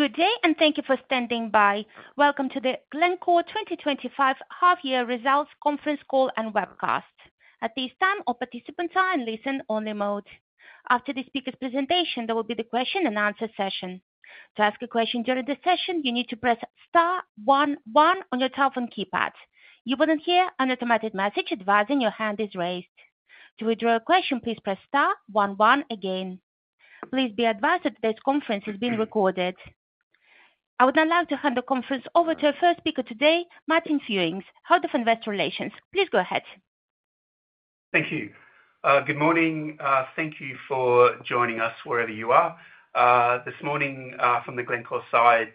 Good day and thank you for standing by. Welcome to the Glencore 2025 half-year results conference call and webcast. At this time, all participants are in listen-only mode. After the speaker's presentation, there will be the question-and-answer session. To ask a question during the session, you need to press star one one on your telephone keypad. You will then hear an automated message advising your hand is raised. To withdraw a question, please press star one one again. Please be advised that today's conference is being recorded. I would now like to hand the conference over to our first speaker today, Martin Fewings, Head of Investor Relations. Please go ahead. Thank you. Good morning. Thank you for joining us wherever you are. This morning, from the Glencore side,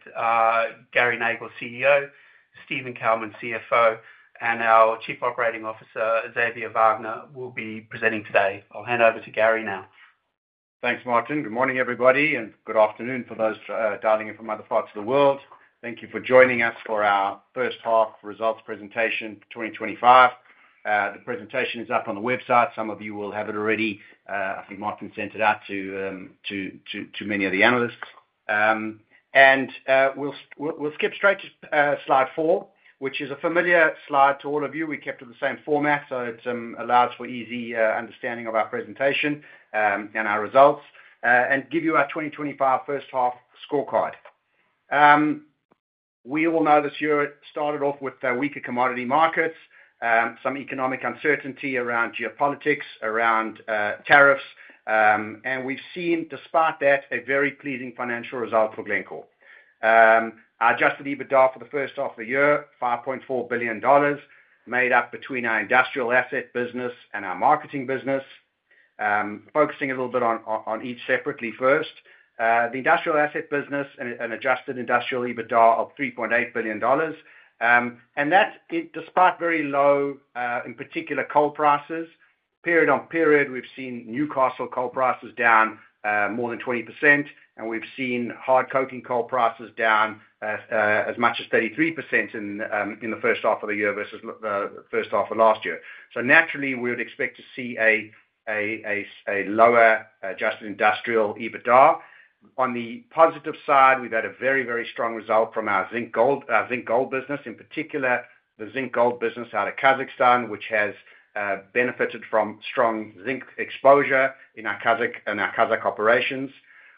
Gary Nagle, CEO, Steven Kalmin, CFO, and our Chief Operating Officer, Xavier Wagner, will be presenting today. I'll hand over to Gary now. Thanks, Martin. Good morning, everybody, and good afternoon for those dialing in from other parts of the world. Thank you for joining us for our first half results presentation for 2025. The presentation is up on the website. Some of you will have it already. I think Martin sent it out to many of the analysts. We'll skip straight to slide four, which is a familiar slide to all of you. We kept it the same format so it allows for easy understanding of our presentation and our results and give you our 2025 first half scorecard. We all know this year it started off with weaker commodity markets, some economic uncertainty around geopolitics, around tariffs, and we've seen, despite that, a very pleasing financial result for Glencore. Our adjusted EBITDA for the first half of the year, $5.4 billion, made up between our industrial asset business and our marketing business. Focusing a little bit on each separately first. The industrial asset business and an adjusted industrial EBITDA of $3.8 billion. That, despite very low, in particular, coal prices, period on period, we've seen Newcastle coal prices down more than 20%, and we've seen hard coking coal prices down as much as 33% in the first half of the year versus the first half of last year. Naturally, we would expect to see a lower adjusted industrial EBITDA. On the positive side, we've had a very, very strong result from our zinc gold business. In particular, the zinc gold business out of Kazakhstan, which has benefited from strong zinc exposure in our Kazakh and our Kazakh operations.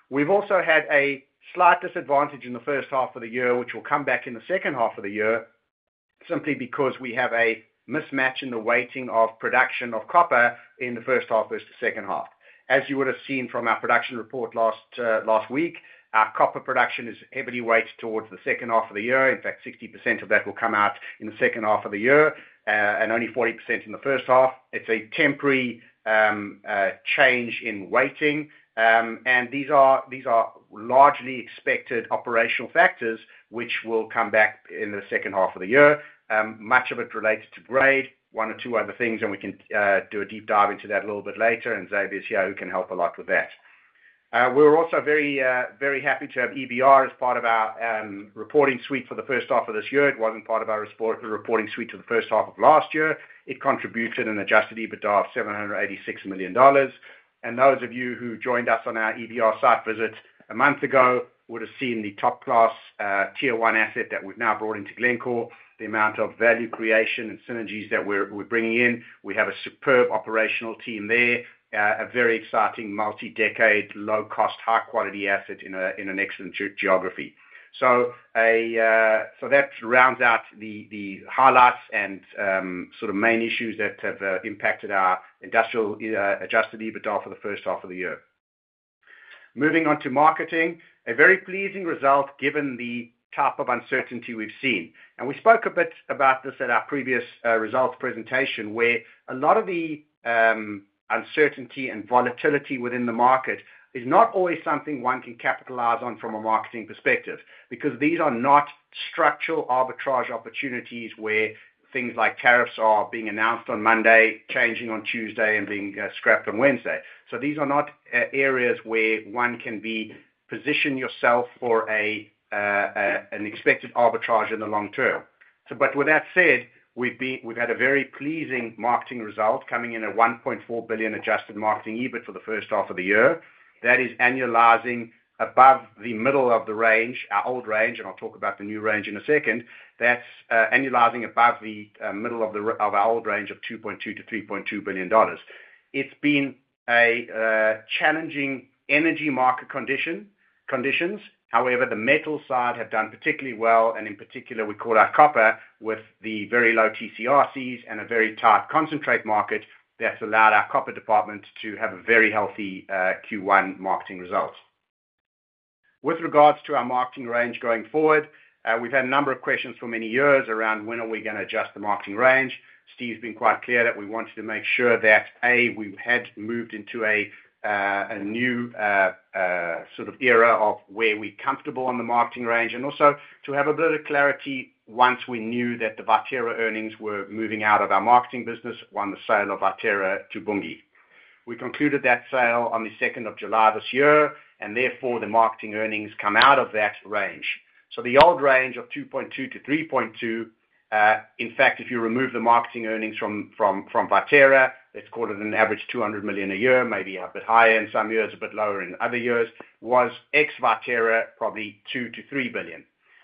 We've also had a slight disadvantage in the first half of the year, which will come back in the second half of the year, simply because we have a mismatch in the weighting of production of copper in the first half versus the second half. As you would have seen from our production report last week, our copper production is heavily weighted towards the second half of the year. In fact, 60% of that will come out in the second half of the year and only 40% in the first half. It's a temporary change in weighting. These are largely expected operational factors which will come back in the second half of the year, much of it related to grade, one or two other things, and we can do a deep dive into that a little bit later. Xavier's here, who can help a lot with that. We're also very, very happy to have EVR as part of our reporting suite for the first half of this year. It wasn't part of our reporting suite for the first half of last year. It contributed an adjusted EBITDA of $786 million. Those of you who joined us on our EVR site visit a month ago would have seen the top-class Tier 1 asset that we've now brought into Glencore, the amount of value creation and synergies that we're bringing in. We have a superb operational team there, a very exciting multi-decade, low-cost, high-quality asset in an excellent geography. That rounds out the highlights and sort of main issues that have impacted our industrial adjusted EBITDA for the first half of the year. Moving on to marketing, a very pleasing result given the type of uncertainty we've seen. We spoke a bit about this at our previous results presentation where a lot of the uncertainty and volatility within the market is not always something one can capitalize on from a marketing perspective because these are not structural arbitrage opportunities where things like tariffs are being announced on Monday, changing on Tuesday, and being scrapped on Wednesday. These are not areas where one can position yourself for an expected arbitrage in the long term. With that said, we've had a very pleasing marketing result coming in at $1.4 billion adjusted marketing EBIT for the first half of the year. That is annualizing above the middle of the range, our old range, and I'll talk about the new range in a second. That's annualizing above the middle of our old range of $2.2 billion-$3.2 billion. It's been challenging energy market conditions. However, the metal side had done particularly well, and in particular, we caught our copper with the very low TCRCs and a very tight concentrate market that's allowed our copper department to have a very healthy Q1 marketing result. With regards to our marketing range going forward, we've had a number of questions for many years around when are we going to adjust the marketing range. Steve's been quite clear that we wanted to make sure that, A, we had moved into a new sort of era of where we're comfortable on the marketing range, and also to have a bit of clarity once we knew that the Viterra earnings were moving out of our marketing business on the sale of Viterra to Bunge. We concluded that sale on the 2nd of July this year, and therefore, the marketing earnings come out of that range. The old range of 2.2-3.2, in fact, if you remove the marketing earnings from Viterra, let's call it an average $200 million a year, maybe a bit higher in some years, a bit lower in other years, was ex-Viterra probably $2 billion-$3 billion.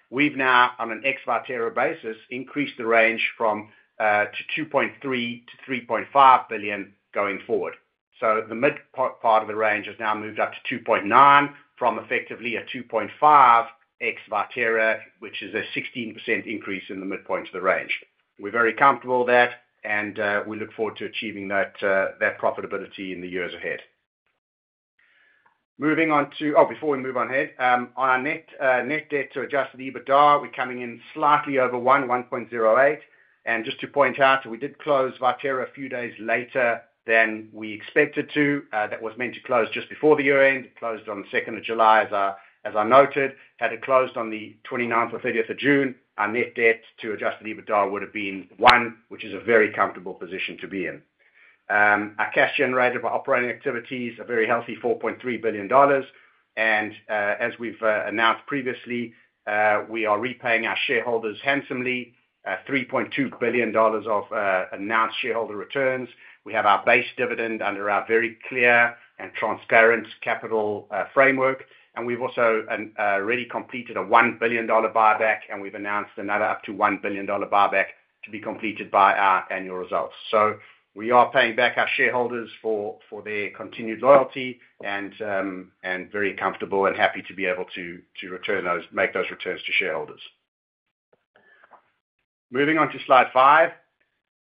We've now, on an ex-Viterra basis, increased the range from $2.3 billion-$3.5 billion going forward. The midpoint part of the range has now moved up to $2.9 from effectively a $2.5 ex-Viterra, which is a 16% increase in the midpoint of the range. We're very comfortable with that, and we look forward to achieving that profitability in the years ahead. Before we move on ahead, on our net debt to adjusted EBITDA, we're coming in slightly over 1, 1.08. Just to point out, we did close Viterra a few days later than we expected to. That was meant to close just before the year end. It closed on the 2nd of July, as I noted. Had it closed on the 29th or 30th of June, our net debt to adjusted EBITDA would have been 1, which is a very comfortable position to be in. Our cash generated by operating activities is a very healthy $4.3 billion. As we've announced previously, we are repaying our shareholders handsomely, $3.2 billion of announced shareholder returns. We have our base dividend under our very clear and transparent capital framework. We've also already completed a $1 billion buyback, and we've announced another up to $1 billion buyback to be completed by our annual results. We are paying back our shareholders for their continued loyalty and very comfortable and happy to be able to return those, make those returns to shareholders. Moving on to slide five,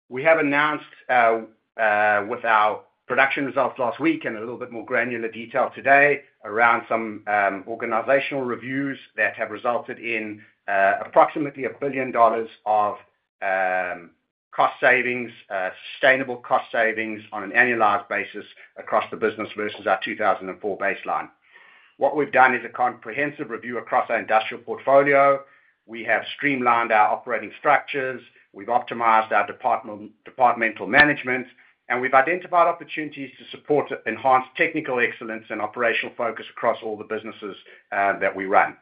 we have announced with our production results last week and a little bit more granular detail today around some organizational reviews that have resulted in approximately $1 billion of cost savings, sustainable cost savings on an annualized basis across the business versus our 2004 baseline. What we've done is a comprehensive review across our industrial portfolio. We have streamlined our operating structures. We've optimized our departmental management. We've identified opportunities to support enhanced technical excellence and operational focus across all the businesses that we run.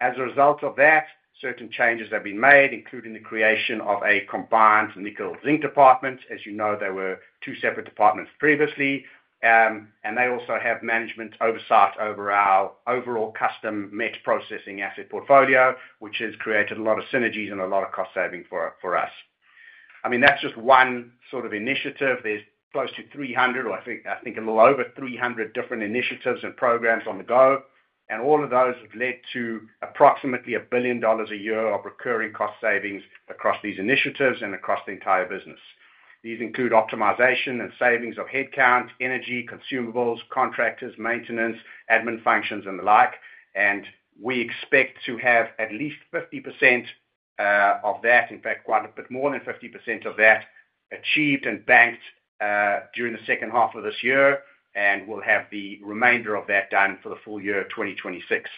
As a result of that, certain changes have been made, including the creation of a combined nickel-zinc department. As you know, there were two separate departments previously. They also have management oversight over our overall custom metaprocessing asset portfolio, which has created a lot of synergies and a lot of cost savings for us. I mean, that's just one sort of initiative. There's close to 300, or I think a little over 300 different initiatives and programs on the go. All of those have led to approximately $1 billion a year of recurring cost savings across these initiatives and across the entire business. These include optimization and savings of headcount, energy, consumables, contractors, maintenance, admin functions, and the like. We expect to have at least 50%, in fact, quite a bit more than 50% of that achieved and banked during the second half of this year. We'll have the remainder of that done for the full year 2026.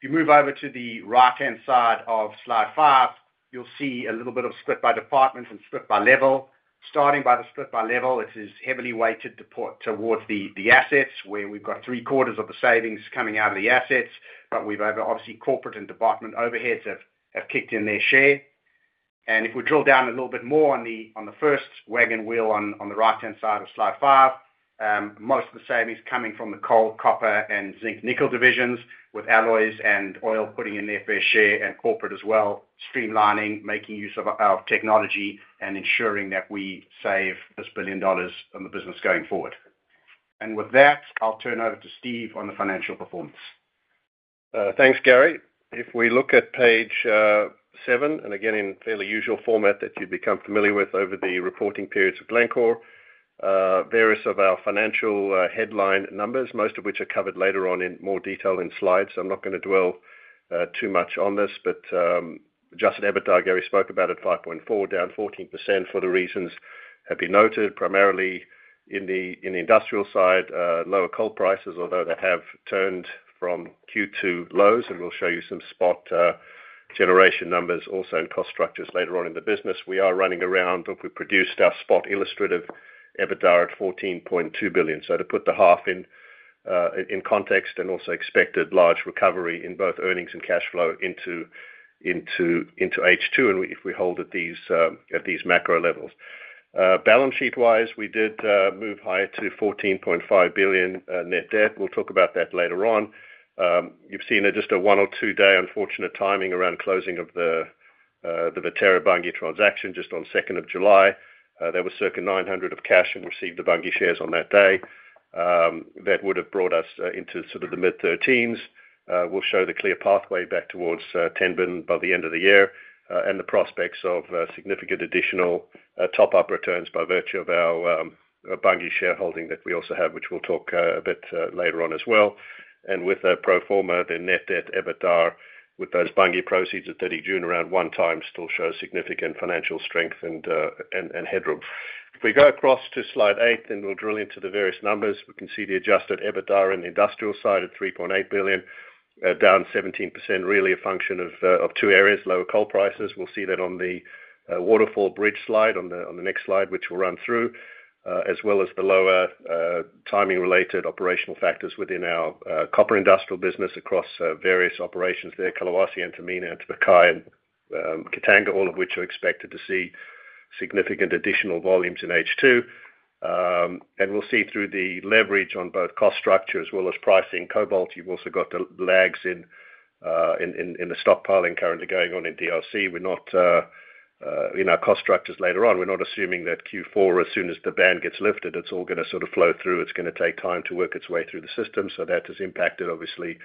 If you move over to the right-hand side of slide five, you'll see a little bit of split by department and split by level. Starting by the split by level, it is heavily weighted towards the assets, where we've got 3/4 of the savings coming out of the assets. Obviously, corporate and department overheads have kicked in their share. If we drill down a little bit more on the first wagon wheel on the right-hand side of slide five, most of the savings are coming from the coal, copper, and zinc-nickel divisions, with alloys and oil putting in their fair share and corporate as well, streamlining, making use of technology, and ensuring that we save this billion dollars in the business going forward. With that, I'll turn over to Steve on the financial performance. Thanks, Gary. If we look at page seven, and again in fairly usual format that you've become familiar with over the reporting periods of Glencore, various of our financial headline numbers, most of which are covered later on in more detail in slides. I'm not going to dwell too much on this, but adjusted EBITDA Gary spoke about at $5.4 billion, down 14% for the reasons have been noted, primarily in the industrial side, lower coal prices, although that have turned from Q2 lows. We'll show you some spot generation numbers also in cost structures later on in the business. We are running around, look, we produced our spot illustrative EBITDA at $14.2 billion. To put the half in context and also expected large recovery in both earnings and cash flow into H2, if we hold at these macro levels. Balance sheet-wise, we did move higher to $14.5 billion net debt. We'll talk about that later on. You've seen just a one or two-day unfortunate timing around closing of the Viterra-Bunge transaction just on the 2nd of July. There were circa $900 million of cash and received the Bunge shares on that day. That would have brought us into sort of the mid-13s. We'll show the clear pathway back towards $10 billion by the end of the year and the prospects of significant additional top-up returns by virtue of our Bunge shareholding that we also have, which we'll talk a bit later on as well. With the pro forma, the net debt EBITDA with those Bunge proceeds at 30 June around one time still shows significant financial strength and headroom. If we go across to slide eight, then we'll drill into the various numbers. We can see the adjusted EBITDA in the industrial side at $3.8 billion, down 17%, really a function of two areas, lower coal prices. We'll see that on the waterfall bridge slide on the next slide, which we'll run through, as well as the lower timing-related operational factors within our copper industrial business across various operations there, Kazzinc, and Tampakan, and to PASAR and Katanga, all of which are expected to see significant additional volumes in H2. We'll see through the leverage on both cost structure as well as pricing cobalt. You've also got the lags in the stockpiling currently going on in DRC. We're not in our cost structures later on. We're not assuming that Q4, as soon as the ban gets lifted, it's all going to sort of flow through. It's going to take time to work its way through the system. That has impacted, obviously,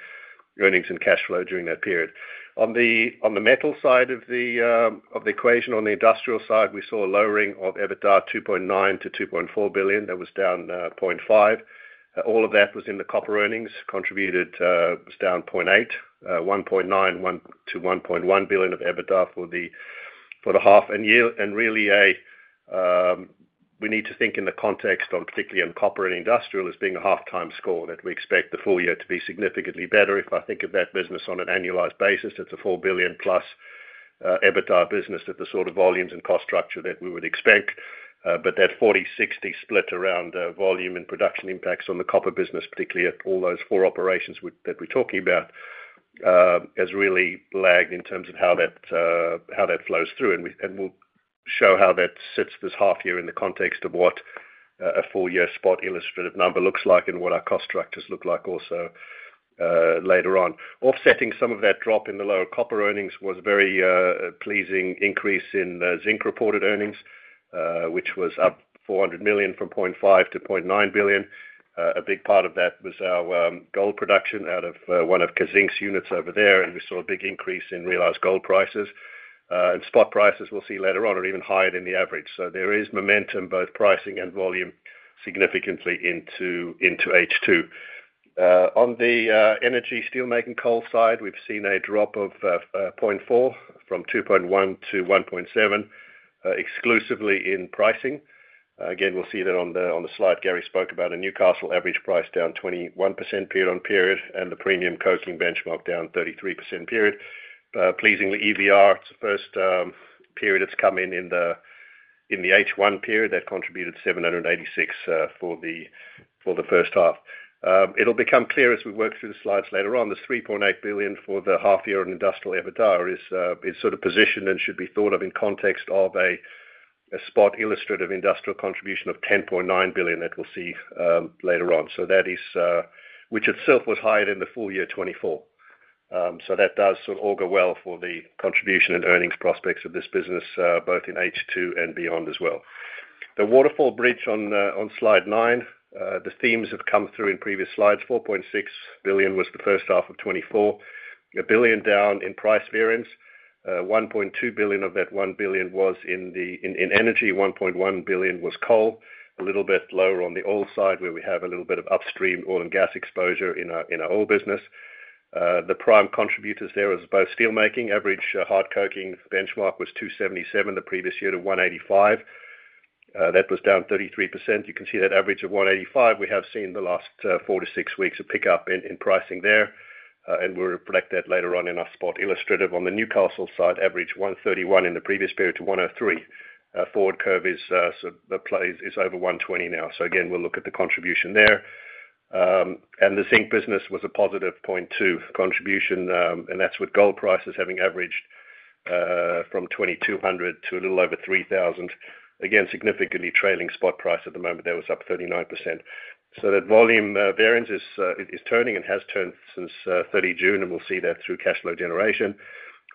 earnings and cash flow during that period. On the metal side of the equation, on the industrial side, we saw a lowering of EBITDA $2.9 billion-$2.4 billion. That was down $0.5 billion. All of that was in the copper earnings, contributed was down $0.8 billion. $1.9 billion-$1.1 billion of EBITDA for the half and year. We need to think in the context, particularly on copper and industrial, as being a half-time score that we expect the full year to be significantly better. If I think of that business on an annualized basis, it's a $4 billion+ EBITDA business at the sort of volumes and cost structure that we would expect. That 40/60 split around volume and production impacts on the copper business, particularly at all those four operations that we're talking about, has really lagged in terms of how that flows through. We'll show how that sits this half year in the context of what a full-year spot illustrative number looks like and what our cost structures look like also later on. Offsetting some of that drop in the lower copper earnings was a very pleasing increase in zinc reported earnings, which was up $400 million from $0.5 billion-$0.9 billion. A big part of that was our gold production out of one of Kazzinc's units over there. We saw a big increase in realized gold prices. Spot prices we'll see later on are even higher than the average. There is momentum, both pricing and volume, significantly into H2. On the energy steelmaking coal side, we've seen a drop of $0.4 billion from $2.1 billion-$1.7 billion exclusively in pricing. We'll see that on the slide. Gary spoke about a Newcastle average price down 21% period on period and the premium coking benchmark down 33% period. Pleasingly, EVR, it's the first period it's come in in the H1 period. That contributed $786 million for the first half. It'll become clear as we work through the slides later on. The $3.8 billion for the half-year on industrial EBITDA is sort of positioned and should be thought of in context of a spot illustrative industrial contribution of $10.9 billion that we'll see later on. That is, which itself was higher than the full year 2024. That does sort of augur well for the contribution and earnings prospects of this business, both in H2 and beyond as well. The waterfall bridge on slide nine, the themes have come through in previous slides. $4.6 billion was the first half of 2024, a billion down in price variance. $1.2 billion of that $1 billion was in energy. $1.1 billion was coal, a little bit lower on the oil side where we have a little bit of upstream oil and gas exposure in our oil business. The prime contributors there are both steelmaking. Average hard coking benchmark was $277 the previous year to $185. That was down 33%. You can see that average of $185. We have seen the last four to six weeks a pickup in pricing there. We'll reflect that later on in our spot illustrative on the Newcastle side, average $131 in the previous period to $103. Forward curve is over $120 now. We'll look at the contribution there. The zinc business was a +$0.2 billion contribution. That's with gold prices having averaged from $2,200 to a little over $3,000. Significantly trailing spot price at the moment. That was up 39%. That volume variance is turning and has turned since 30 June. We'll see that through cash flow generation.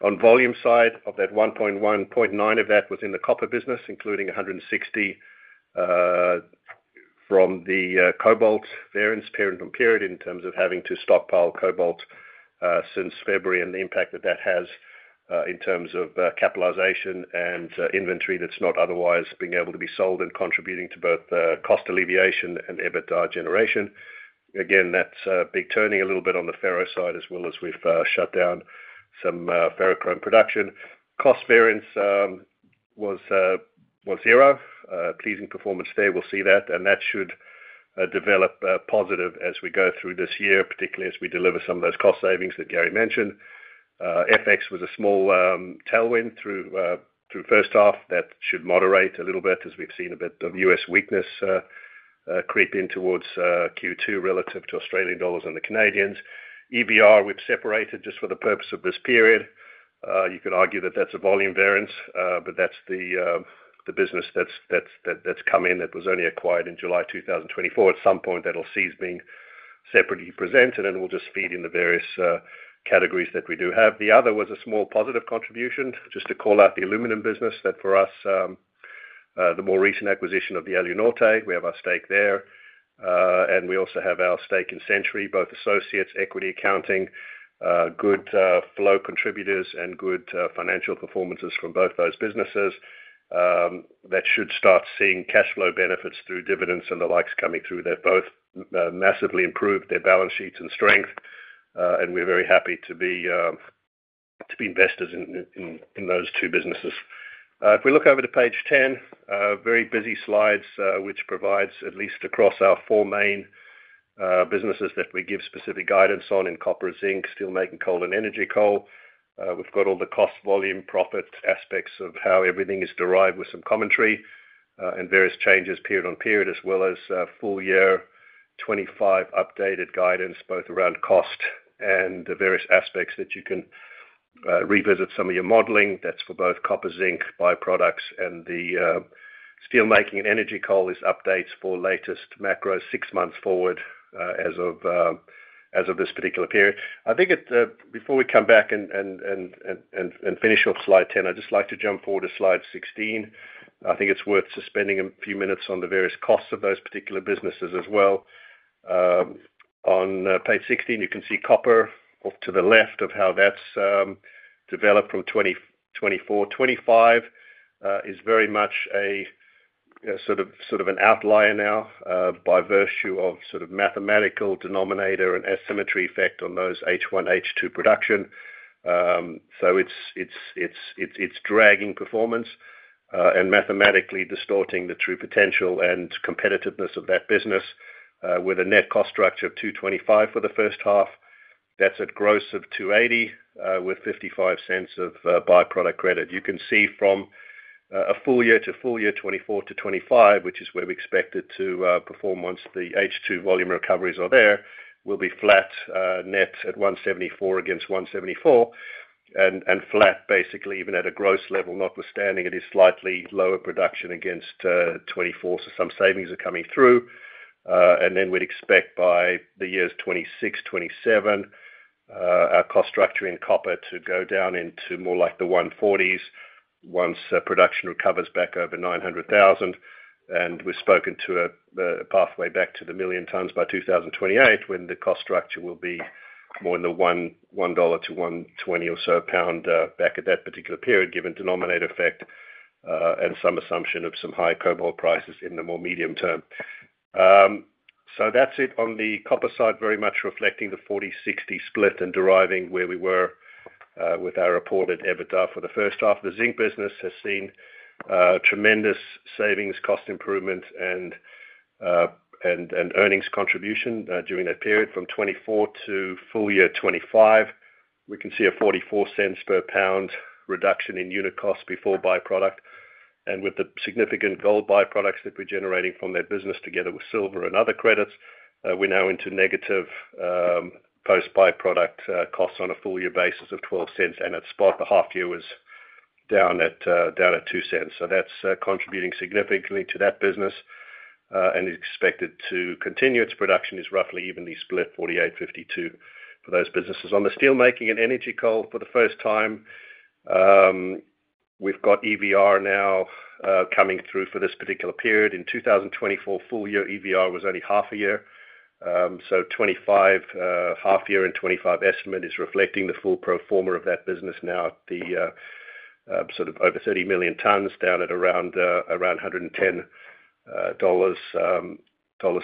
On the volume side of that $1.1 billion, $0.9 billion of that was in the copper business, including $160 million from the cobalt variance period on period in terms of having to stockpile cobalt since February and the impact that has in terms of capitalization and inventory that's not otherwise being able to be sold and contributing to both cost alleviation and EBITDA generation. That's a big turning a little bit on the ferro side as well as we've shut down some ferrochrome production. Cost variance was zero. Pleasing performance there. We'll see that. That should develop positive as we go through this year, particularly as we deliver some of those cost savings that Gary mentioned. FX was a small tailwind through first half. That should moderate a little bit as we've seen a bit of U.S. weakness creep in towards Q2 relative to Australian dollars and the Canadians. EVR, we've separated just for the purpose of this period. You can argue that that's a volume variance, but that's the business that's come in that was only acquired in July 2024. At some point, that'll cease being separately presented. We'll just feed in the various categories that we do have. The other was a small positive contribution, just to call out the aluminum business that for us, the more recent acquisition of the Alunorte. We have our stake there. We also have our stake in Century, both associates, equity accounting, good flow contributors, and good financial performances from both those businesses. That should start seeing cash flow benefits through dividends and the likes coming through. They've both massively improved their balance sheets and strength. We're very happy to be investors in those two businesses. If we look over to page 10, very busy slides, which provides at least across our four main businesses that we give specific guidance on in copper, zinc, steelmaking coal, and energy coal. We've got all the cost, volume, profit aspects of how everything is derived with some commentary and various changes period on period, as well as full year 2025 updated guidance both around cost and the various aspects that you can revisit some of your modeling. That's for both copper, zinc, byproducts, and the steelmaking and energy coal is updates for latest macros six months forward as of this particular period. I think before we come back and finish off slide 10, I'd just like to jump forward to slide 16. I think it's worth spending a few minutes on the various costs of those particular businesses as well. On page 16, you can see copper off to the left of how that's developed from 2024. 2025 is very much a sort of an outlier now by virtue of sort of mathematical denominator and asymmetry effect on those H1, H2 production. It's dragging performance and mathematically distorting the true potential and competitiveness of that business with a net cost structure of $2.25 for the first half. That's a gross of $2.80 with $0.55 of byproduct credit. You can see from a full year to full year 2024-2025, which is where we expect it to perform once the H2 volume recoveries are there, will be flat net at $1.74 against $1.74 and flat basically even at a gross level, notwithstanding it is slightly lower production against 2024. Some savings are coming through. We'd expect by the years 2026, 2027, our cost structure in copper to go down into more like the $1.40s once production recovers back over 900,000. We've spoken to a pathway back to the million tons by 2028 when the cost structure will be more in the $1.00-$1.20 or so per pound back at that particular period, given denominator effect and some assumption of some high cobalt prices in the more medium term. That's it on the copper side, very much reflecting the 40/60 split and deriving where we were with our reported EBITDA for the first half. The zinc business has seen tremendous savings, cost improvement, and earnings contribution during that period. From 2024 to full year 2025, we can see a $0.44 per pound reduction in unit costs before byproduct. With the significant gold byproducts that we're generating from that business together with silver and other credits, we're now into negative post-byproduct costs on a full-year basis of $0.12. At spot, the half-year was down at $0.02. That's contributing significantly to that business and is expected to continue. Its production is roughly evenly split 48/52 for those businesses. On the steelmaking and energy coal, for the first time, we've got EVR now coming through for this particular period. In 2024, full-year EVR was only half a year. 2025 half-year and 2025 estimate is reflecting the full pro forma of that business now at the sort of over 30 million tons down at around $110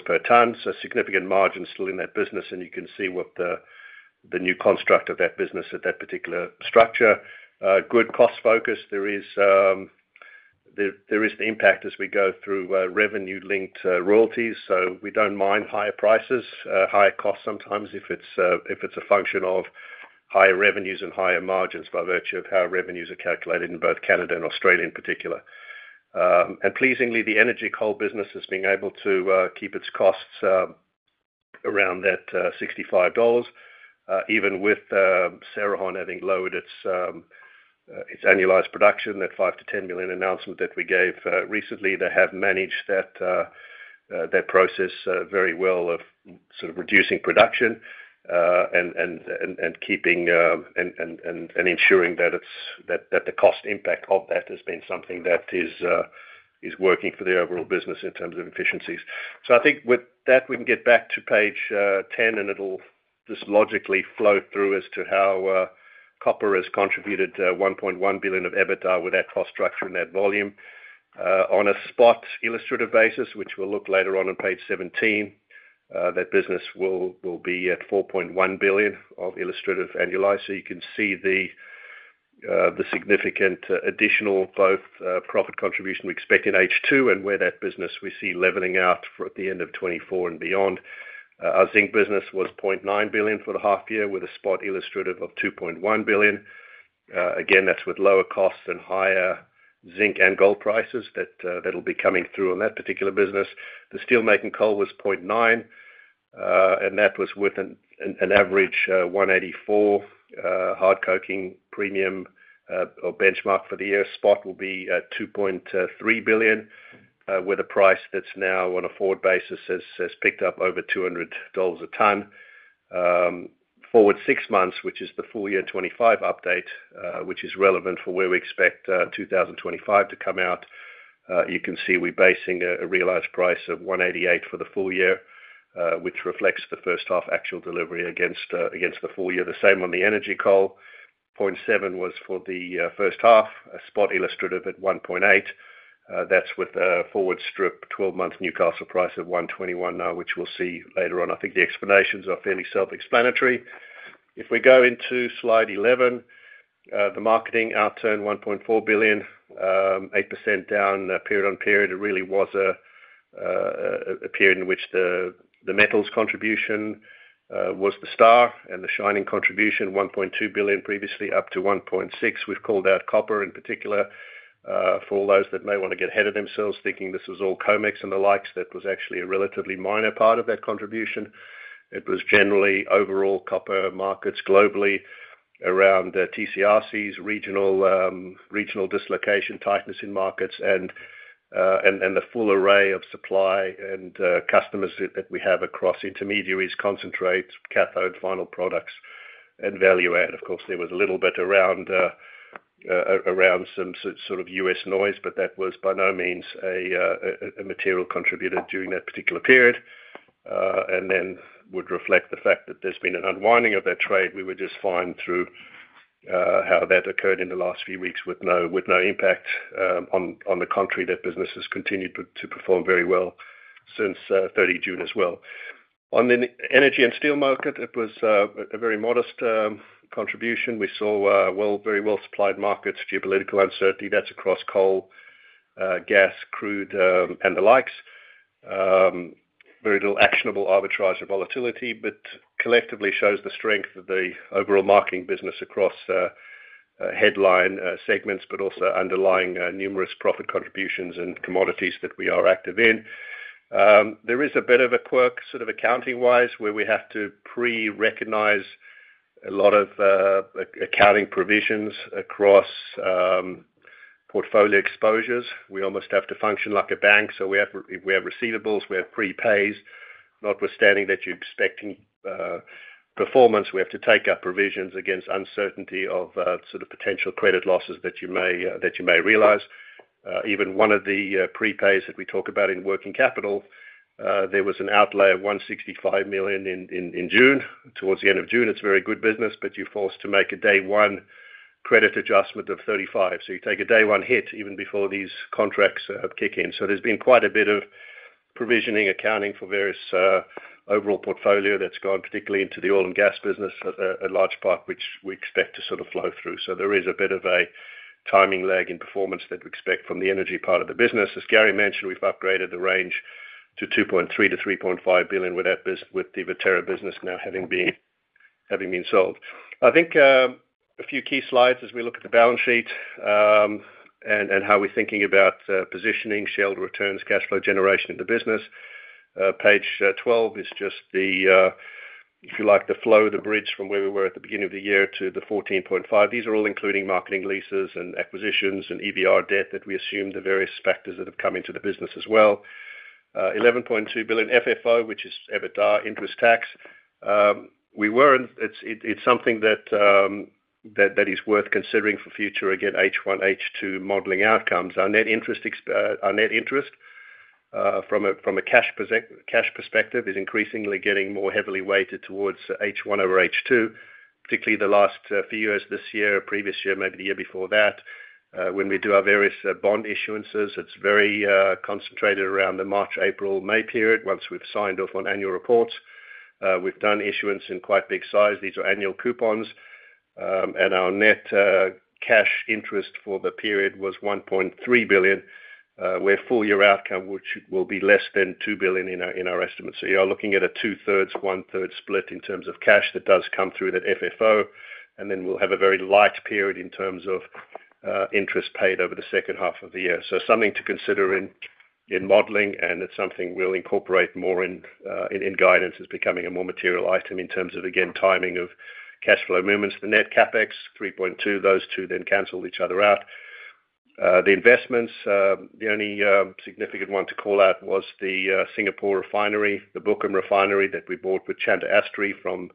per ton. Significant margin still in that business. You can see with the new construct of that business at that particular structure. Good cost focus. There is the impact as we go through revenue-linked royalties. We don't mind higher prices, higher costs sometimes if it's a function of higher revenues and higher margins by virtue of how revenues are calculated in both Canada and Australia in particular. Pleasingly, the energy coal business has been able to keep its costs around that $65, even with Cerrejón having lowered its annualized production, that 5 million-10 million announcement that we gave recently. They have managed that process very well of reducing production and ensuring that the cost impact of that has been something that is working for the overall business in terms of efficiencies. I think with that, we can get back to page 10, and it'll just logically flow through as to how copper has contributed $1.1 billion of EBITDA with that cost structure and that volume. On a spot illustrative basis, which we'll look later on page 17, that business will be at $4.1 billion of illustrative annualized. You can see the significant additional both profit contribution we expect in H2 and where that business we see leveling out at the end of 2024 and beyond. Our zinc business was $0.9 billion for the half-year with a spot illustrative of $2.1 billion. Again, that's with lower costs and higher zinc and gold prices that will be coming through on that particular business. The steelmaking coal was $0.9 billion, and that was worth an average $184 hard coking premium or benchmark for the year. Spot will be at $2.3 billion with a price that's now on a forward basis has picked up over $200 a ton. Forward six months, which is the full year 2025 update, which is relevant for where we expect 2025 to come out. You can see we're basing a realized price of $188 for the full year, which reflects the first half actual delivery against the full year. The same on the energy coal. $0.7 was for the first half. A spot illustrative at $1.8. That's with the forward strip 12 months Newcastle price of $121 now, which we'll see later on. I think the explanations are fairly self-explanatory. If we go into slide 11, the marketing outturn $1.4 billion, 8% down period on period. It really was a period in which the metals contribution was the star and the shining contribution $1.2 billion previously up to $1.6. We've called out copper in particular for all those that may want to get ahead of themselves thinking this was all COMEX and the likes. That was actually a relatively minor part of that contribution. It was generally overall copper markets globally around TCRCs, regional dislocation tightness in markets, and then the full array of supply and customers that we have across intermediaries, concentrates, cathodes, final products, and value add. Of course, there was a little bit around some sort of U.S. noise, but that was by no means a material contributor during that particular period. It would reflect the fact that there's been an unwinding of that trade. We were just fine through how that occurred in the last few weeks with no impact on the country. That business has continued to perform very well since 30 June as well. On the energy and steel market, it was a very modest contribution. We saw very well-supplied markets, geopolitical uncertainty. That's across coal, gas, crude, and the likes. Very little actionable arbitrage or volatility, but collectively shows the strength of the overall marketing business across headline segments, but also underlying numerous profit contributions and commodities that we are active in. There is a bit of a quirk sort of accounting-wise where we have to pre-recognize a lot of accounting provisions across portfolio exposures. We almost have to function like a bank. So we have receivables. We have pre-pays, notwithstanding that you're expecting performance. We have to take our provisions against uncertainty of sort of potential credit losses that you may realize. Even one of the pre-pays that we talk about in working capital, there was an outlay of $165 million in June. Towards the end of June, it's a very good business, but you're forced to make a day one credit adjustment of $35. So you take a day one hit even before these contracts kick in. There's been quite a bit of provisioning accounting for various overall portfolio that's gone, particularly into the oil and gas business, a large part which we expect to sort of flow through. There is a bit of a timing lag in performance that we expect from the energy part of the business. As Gary mentioned, we've upgraded the range to $2.3 billion-$3.5 billion with the Viterra business now having been sold. I think a few key slides as we look at the balance sheet and how we're thinking about positioning, shareholder returns, cash flow generation in the business. Page 12 is just the, if you like, the flow, the bridge from where we were at the beginning of the year to the 14.5. These are all including marketing leases and acquisitions and EBR debt that we assume, the various factors that have come into the business as well. $11.2 billion FFO, which is EBITDA, interest, tax. We were, and it's something that is worth considering for future, again, H1, H2 modeling outcomes. Our net interest from a cash perspective is increasingly getting more heavily weighted towards H1 over H2, particularly the last few years, this year, a previous year, maybe the year before that. When we do our various bond issuances, it's very concentrated around the March, April, May period. Once we've signed off on annual reports, we've done issuance in quite big size. These are annual coupons. Our net cash interest for the period was $1.3 billion, where full-year outcome will be less than $2 billion in our estimates. You are looking at a 2/3, 1/3 split in terms of cash that does come through that FFO. We'll have a very light period in terms of interest paid over the second half of the year. Something to consider in modeling, and it's something we'll incorporate more in guidance. It's becoming a more material item in terms of, again, timing of cash flow movements. The net CapEx, $3.2, those two then canceled each other out. The investments, the only significant one to call out was the Singapore refinery, the Brooklyn refinery that we bought with Chandra Asri from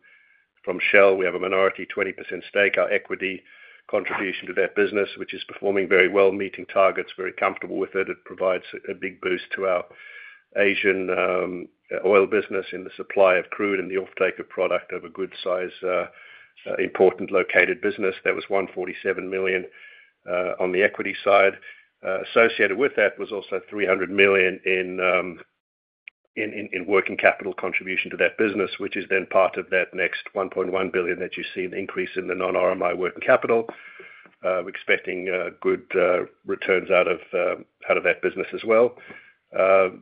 Shell. We have a minority 20% stake, our equity contribution to that business, which is performing very well, meeting targets, very comfortable with it. It provides a big boost to our Asian oil business in the supply of crude and the offtake of product of a good-sized, important located business. That was $147 million on the equity side. Associated with that was also $300 million in working capital contribution to that business, which is then part of that next $1.1 billion that you see an increase in the non-RMI working capital. We're expecting good returns out of that business as well.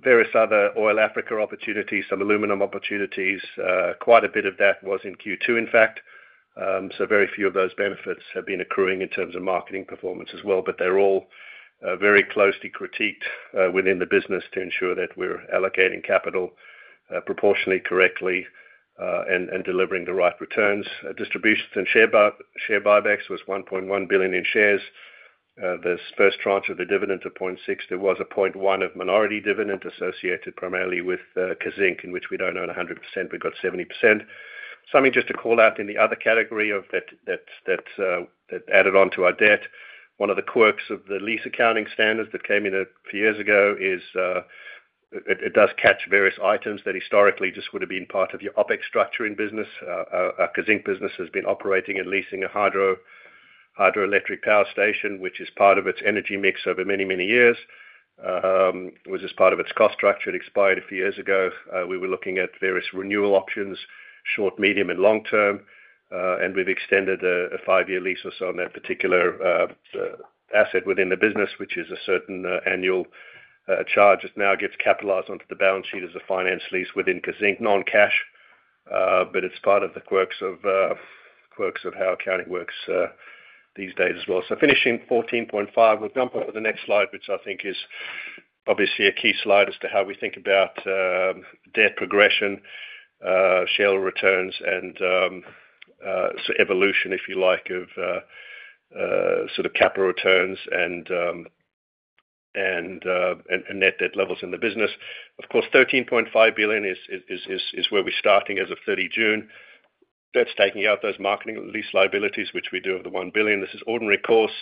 Various other oil Africa opportunities, some aluminum opportunities. Quite a bit of that was in Q2, in fact. Very few of those benefits have been accruing in terms of marketing performance as well, but they're all very closely critiqued within the business to ensure that we're allocating capital proportionately correctly and delivering the right returns. Distributions and share buybacks was $1.1 billion in shares. This first tranche of the dividend at $0.6, there was a $0.1 of minority dividend associated primarily with Kazzinc, in which we don't own 100%. We've got 70%. Something just to call out in the other category of that added on to our debt. One of the quirks of the lease accounting standards that came in a few years ago is it does catch various items that historically just would have been part of your OpEx structure in business. Our Kazzinc business has been operating and leasing a hydroelectric power station, which is part of its energy mix over many, many years. It was just part of its cost structure. It expired a few years ago. We were looking at various renewal options, short, medium, and long term. We've extended a five-year lease or so on that particular asset within the business, which is a certain annual charge. It now gets capitalized onto the balance sheet as a finance lease within Kazzinc, non-cash. It's part of the quirks of how accounting works these days as well. Finishing 14.5, we'll jump up for the next slide, which I think is obviously a key slide as to how we think about debt progression, shareholder returns, and evolution, if you like, of sort of capital returns and net debt levels in the business. Of course, $13.5 billion is where we're starting as of 30 June. That's taking out those marketing lease liabilities, which we do with the $1 billion. This is ordinary course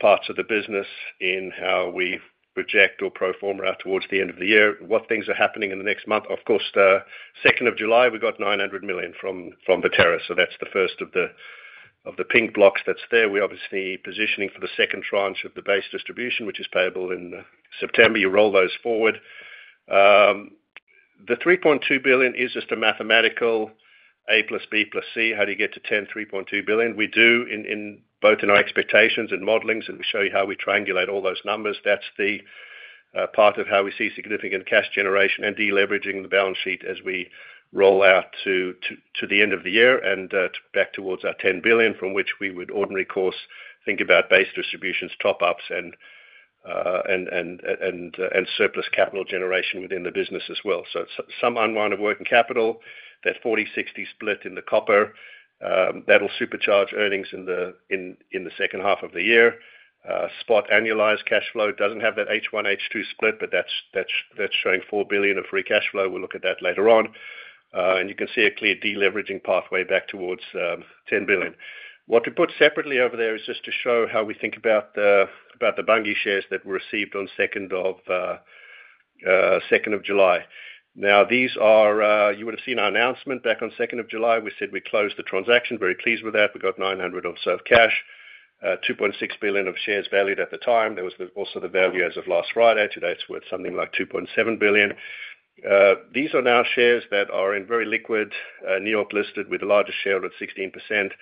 parts of the business in how we project or pro forma out towards the end of the year. What things are happening in the next month? Of course, the 2nd of July, we got $900 million from Viterra. That's the first of the pink blocks that's there. We're obviously positioning for the second tranche of the base distribution, which is payable in September. You roll those forward. The $3.2 billion is just a mathematical A + B + C. How do you get to $10, $3.2 billion? We do in both in our expectations and modelings, and we show you how we triangulate all those numbers. That's the part of how we see significant cash generation and deleveraging the balance sheet as we roll out to the end of the year and back towards our $10 billion, from which we would ordinary course think about base distributions, top-ups, and surplus capital generation within the business as well. Some unwind of working capital, that 40/60 split in the copper, that'll supercharge earnings in the second half of the year. Spot annualized cash flow doesn't have that H1, H2 split, but that's showing $4 billion of free cash flow. We'll look at that later on. You can see a clear deleveraging pathway back towards $10 billion. What we put separately over there is just to show how we think about the Bunge shares that were received on 2nd of July. Now, these are, you would have seen our announcement back on 2nd of July. We said we closed the transaction, very pleased with that. We got $900 million of cash, $2.6 billion of shares valued at the time. There was also the value as of last Friday. Today, it's worth something like $2.7 billion. These are now shares that are in very liquid NEOP listed with the largest shareholder of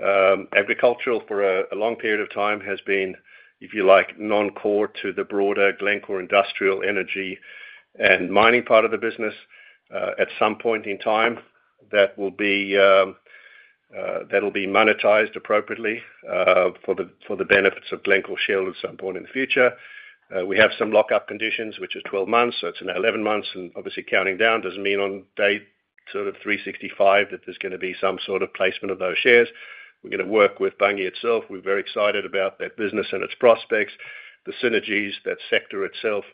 16%. Agricultural for a long period of time has been, if you like, non-core to the broader Glencore industrial energy and mining part of the business. At some point in time, that will be monetized appropriately for the benefits of Glencore shareholders at some point in the future. We have some lockup conditions, which are 12 months. It's now 11 months. Obviously, counting down doesn't mean on day 365 that there's going to be some sort of placement of those shares. We're going to work with Bunge itself. We're very excited about that business and its prospects, the synergies, that sector itself.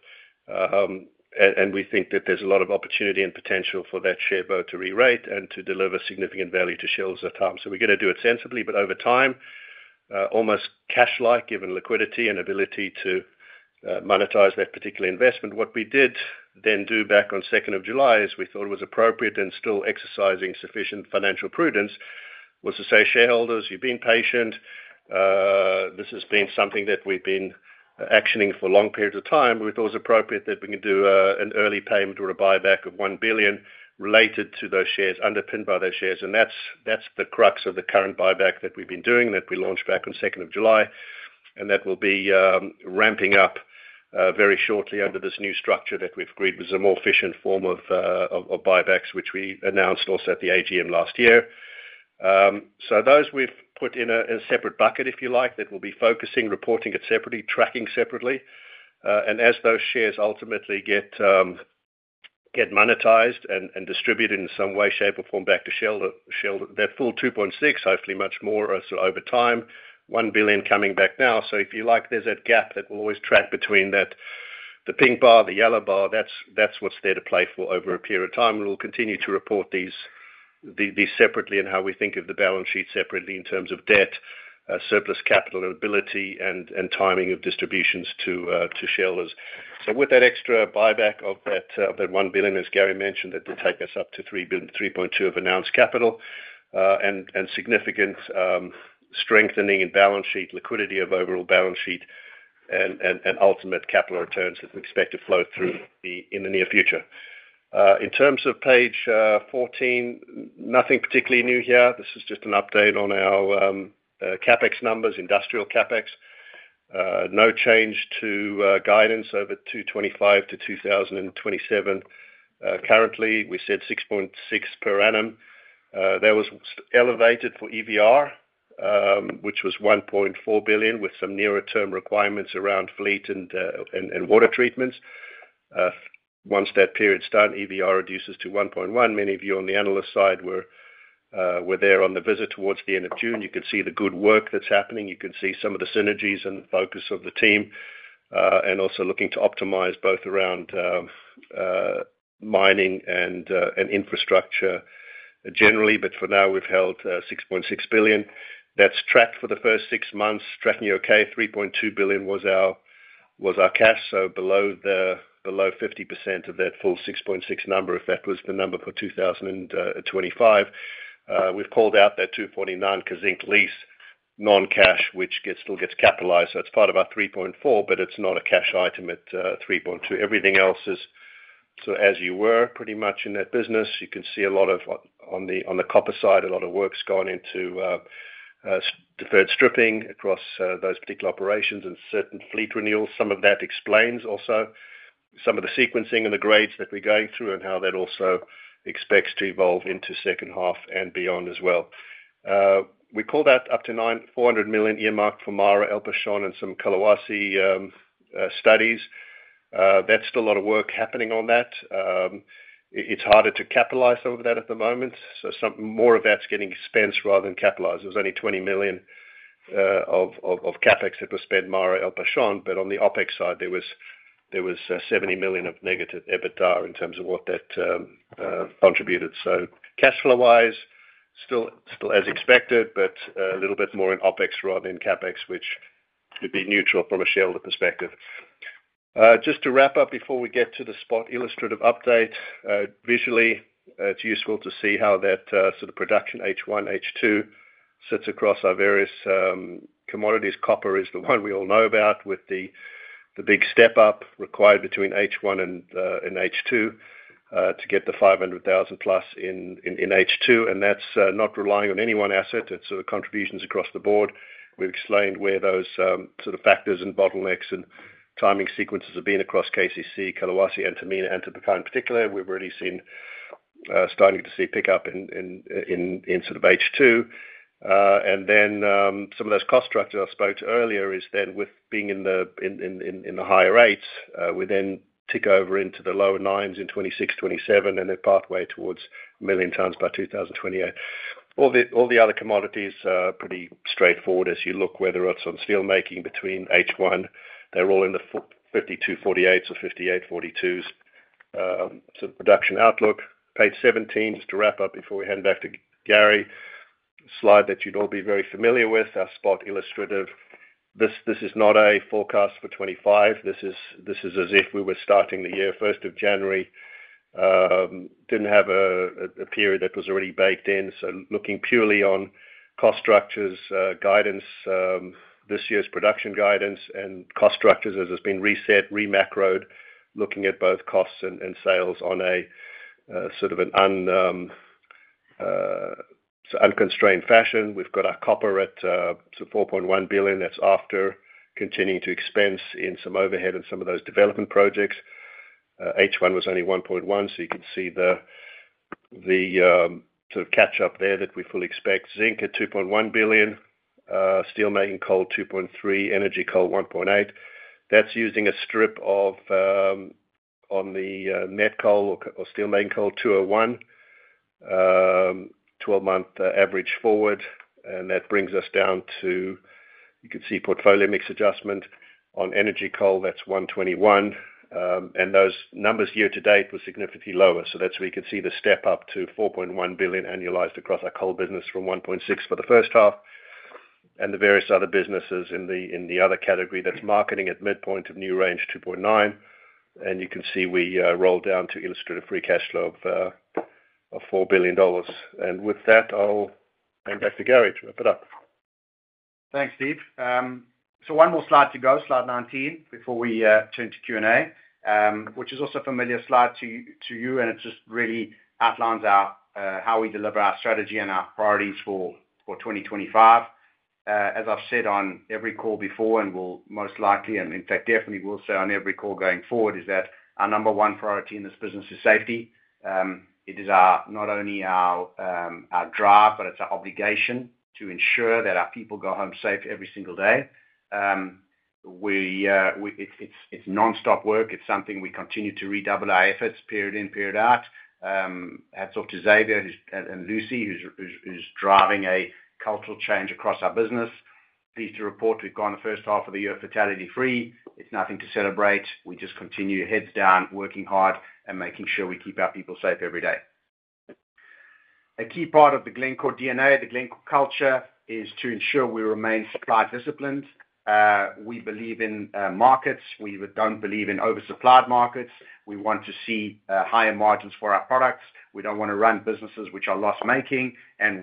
We think that there's a lot of opportunity and potential for that share boat to re-rate and to deliver significant value to shareholders at times. We're going to do it sensibly, but over time, almost cash-like given liquidity and ability to monetize that particular investment. What we did then do back on 2nd of July is we thought it was appropriate and still exercising sufficient financial prudence was to say, shareholders, you've been patient. This has been something that we've been actioning for long periods of time. We thought it was appropriate that we can do an early payment or a buyback of $1 billion related to those shares, underpinned by those shares. That's the crux of the current buyback that we've been doing that we launched back on 2nd of July. That will be ramping up very shortly under this new structure that we've agreed was a more efficient form of buybacks, which we announced also at the AGM last year. Those we've put in a separate bucket, if you like, that will be focusing, reporting it separately, tracking separately. As those shares ultimately get monetized and distributed in some way, shape, or form back to shareholder, that full $2.6 billion, hopefully much more over time, $1 billion coming back now. If you like, there's that gap that we'll always track between that the pink bar, the yellow bar. That's what's there to play for over a period of time. We'll continue to report these separately and how we think of the balance sheet separately in terms of debt, surplus capital, ability, and timing of distributions to shareholders. With that extra buyback of that $1 billion, as Gary mentioned, that would take us up to $3.2 billion of announced capital and significant strengthening in balance sheet, liquidity of overall balance sheet, and ultimate capital returns that we expect to flow through in the near future. In terms of page 14, nothing particularly new here. This is just an update on our CapEx numbers, industrial CapEx. No change to guidance over 2025 to 2027. Currently, we said $6.6 billion per annum. That was elevated for EVR, which was $1.4 billion with some nearer term requirements around fleet and water treatments. Once that period's done, EVR reduces to $1.1 billion. Many of you on the analyst side were there on the visit towards the end of June. You could see the good work that's happening. You could see some of the synergies and the focus of the team and also looking to optimize both around mining and infrastructure generally. For now, we've held $6.6 billion. That's tracked for the first six months. Tracking okay, $3.2 billion was our cash. Below 50% of that full $6.6 billion number, if that was the number for 2025. We've called out that $2.9 billion Kazzinc lease non-cash, which still gets capitalized. It is part of our $3.4 billion, but it is not a cash item at $3.2 billion. Everything else is, so as you were, pretty much in that business. You can see a lot of, on the copper side, a lot of work has gone into deferred stripping across those particular operations and certain fleet renewals. Some of that explains also some of the sequencing and the grades that we are going through and how that also expects to evolve into the second half and beyond as well. We call that up to $400 million earmarked for MARA, El Pachón, and some KCC studies. That is still a lot of work happening on that. It is harder to capitalize some of that at the moment, so more of that is getting expensed rather than capitalized. There is only $20 million of CapEx that was spent on MARA and El Pachón. On the OpEx side, there was $70 million of negative EBITDA in terms of what that contributed. Cash flow-wise, still as expected, but a little bit more in OpEx rather than CapEx, which would be neutral from a shareholder perspective. Just to wrap up before we get to the spot illustrative update, visually, it is useful to see how that sort of production H1, H2 sits across our various commodities. Copper is the one we all know about with the big step-up required between H1 and H2 to get the 500,000+ in H2. That is not relying on any one asset. It is sort of contributions across the board. We have explained where those sort of factors and bottlenecks and timing sequences have been across KCC, KCC, and Antamina, and Toquepala in particular. We have already started to see pickup in H2. Some of those cost structures I spoke to earlier is then with being in the higher rates, we then tick over into the lower 9s in 2026, 2027, and then pathway towards 1 million tons by 2028. All the other commodities are pretty straightforward as you look, whether it is on steelmaking between H1. They are all in the 52/48s or 58/42s. The production outlook, page 17, just to wrap up before we hand back to Gary, a slide that you would all be very familiar with, our spot illustrative. This is not a forecast for 2025. This is as if we were starting the year, 1st of January. Did not have a period that was already baked in. Looking purely on cost structures, guidance, this year's production guidance, and cost structures as it has been reset, re-macro, looking at both costs and sales on a sort of an unconstrained fashion. We have got our copper at $4.1 billion. That's after continuing to expense in some overhead and some of those development projects. H1 was only $1.1 billion. You can see the sort of catch-up there that we fully expect. Zinc at $2.1 billion. Steelmaking coal $2.3 billion. Energy coal $1.8 billion. That's using a strip of, on the net coal or steelmaking coal, $201, 12-month average forward. That brings us down to, you can see, portfolio mix adjustment on energy coal. That's $121. Those numbers year to date were significantly lower. That's where you can see the step up to $4.1 billion annualized across our coal business from $1.6 billion for the first half. The various other businesses in the other category, that's marketing at midpoint of new range, $2.9 billion. You can see we rolled down to illustrative free cash flow of $4 billion. With that, I'll hand back to Gary to wrap it up. Thanks, Steve. One more slide to go, slide 19, before we turn to Q&A, which is also a familiar slide to you. It just really outlines how we deliver our strategy and our priorities for 2025. As I've said on every call before, and will most likely, in fact, definitely will say on every call going forward, our number one priority in this business is safety. It is not only our drive, but it's our obligation to ensure that our people go home safe every single day. It's nonstop work. It's something we continue to redouble our efforts period in, period out. Hats off to Xavier and Lucy, who's driving a cultural change across our business. Pleased to report we've gone the first half of the year fatality-free. It's nothing to celebrate. We just continue heads down, working hard, and making sure we keep our people safe every day. A key part of the Glencore DNA, the Glencore culture, is to ensure we remain supply disciplined. We believe in markets. We don't believe in oversupplied markets. We want to see higher margins for our products. We don't want to run businesses which are loss-making.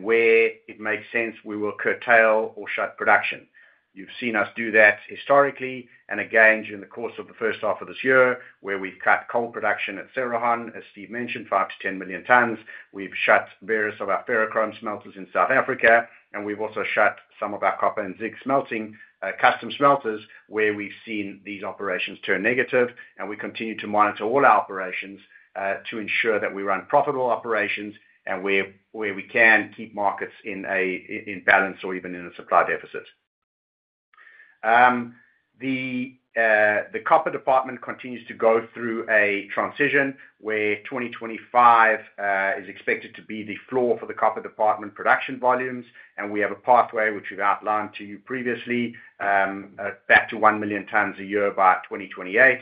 Where it makes sense, we will curtail or shut production. You've seen us do that historically. During the course of the first half of this year, we've cut coal production at Cerrejón, as Steve mentioned, 5 million-10 million tons, we've shut various of our ferrochrome smelters in South Africa, and we've also shut some of our copper and zinc smelting, custom smelters, where we've seen these operations turn negative. We continue to monitor all our operations to ensure that we run profitable operations and where we can keep markets in balance or even in a supply deficit. The copper department continues to go through a transition where 2025 is expected to be the floor for the copper department production volumes. We have a pathway, which we've outlined to you previously, back to 1 million tons a year by 2028.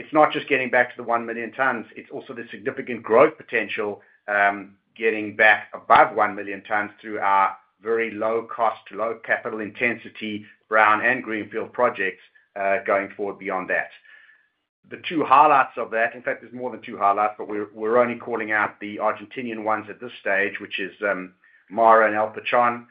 It's not just getting back to the 1 million tons. It's also the significant growth potential getting back above 1 million tons through our very low cost, low capital intensity brown and greenfield projects going forward beyond that. The two highlights of that, in fact, there's more than two highlights, but we're only calling out the Argentinian ones at this stage, which is MARA and El Pachón.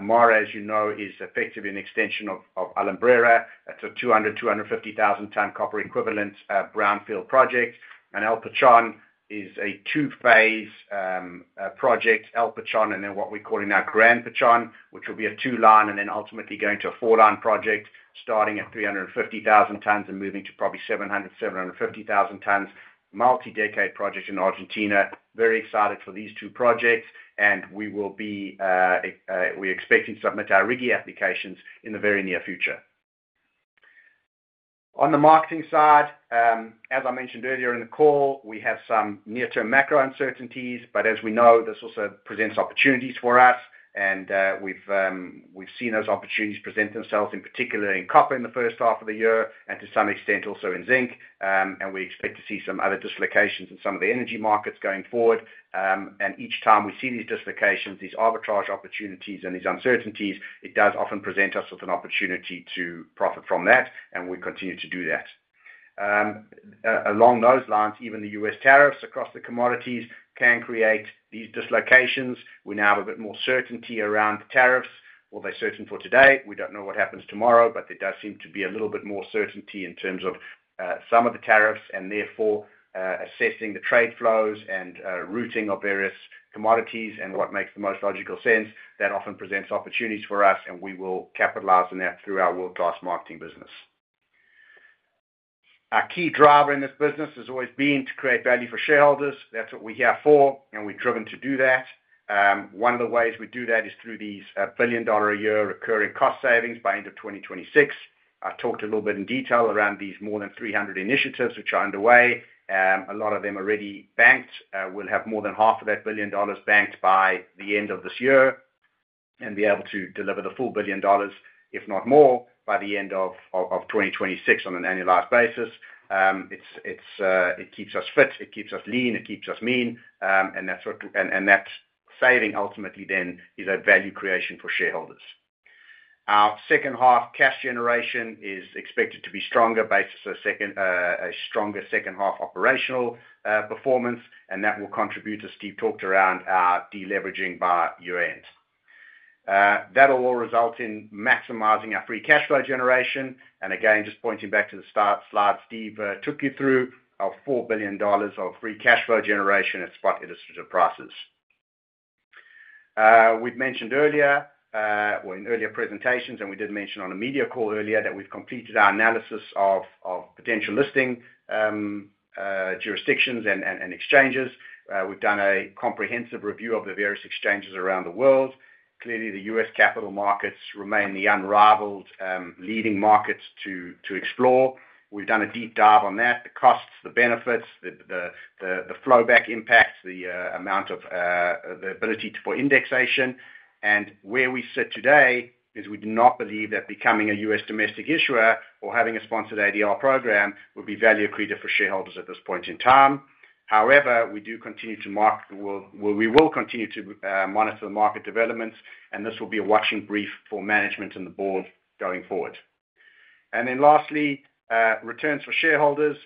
MARA, as you know, is effectively an extension of Alumbrera. It's a 200,000, 250,000 ton copper equivalent brownfield project. El Pachón is a two-phase project, El Pachón, and then what we're calling our Grand Pachón, which will be a two-line, and then ultimately going to a four-line project, starting at 350,000 tons and moving to probably 700,000, 750,000 tons, multi-decade project in Argentina. We are very excited for these two projects. We are expecting to submit our RIGI applications in the very near future. On the marketing side, as I mentioned earlier in the call, we have some near-term macro uncertainties, but as we know, this also presents opportunities for us. We have seen those opportunities present themselves, in particular in copper in the first half of the year, and to some extent also in zinc. We expect to see some other dislocations in some of the energy markets going forward. Each time we see these dislocations, these arbitrage opportunities, and these uncertainties, it does often present us with an opportunity to profit from that. We continue to do that. Along those lines, even the U.S. tariffs across the commodities can create these dislocations. We now have a bit more certainty around the tariffs. Although certain for today, we don't know what happens tomorrow, but there does seem to be a little bit more certainty in terms of some of the tariffs and therefore assessing the trade flows and routing of various commodities and what makes the most logical sense. That often presents opportunities for us, and we will capitalize on that through our world-class marketing business. Our key driver in this business has always been to create value for shareholders. That's what we're here for, and we're driven to do that. One of the ways we do that is through these billion-dollar a year recurring cost savings by end of 2026. I talked a little bit in detail around these more than 300 initiatives which are underway. A lot of them are already banked. We will have more than half of that billion dollars banked by the end of this year and be able to deliver the full billion dollars, if not more, by the end of 2026 on an annualized basis. It keeps us fit. It keeps us lean. It keeps us mean. That saving ultimately then is a value creation for shareholders. Our second half cash generation is expected to be stronger based on a stronger second half operational performance. That will contribute as Steve talked around our deleveraging by year-end. That will all result in maximizing our free cash flow generation. Again, just pointing back to the start slide Steve took you through of $4 billion of free cash flow generation at spot illustrative prices. We've mentioned earlier or in earlier presentations, and we did mention on a media call earlier that we've completed our analysis of potential listing jurisdictions and exchanges. We've done a comprehensive review of the various exchanges around the world. Clearly, the U.S. capital markets remain the unrivaled leading markets to explore. We've done a deep dive on that, the costs, the benefits, the flowback impacts, the amount of the ability for indexation. Where we sit today is we do not believe that becoming a U.S. domestic issuer or having a sponsored ADR program will be value accretive for shareholders at this point in time. However, we do continue to market, we will continue to monitor the market developments. This will be a watching brief for management and the board going forward. Lastly, returns for shareholders.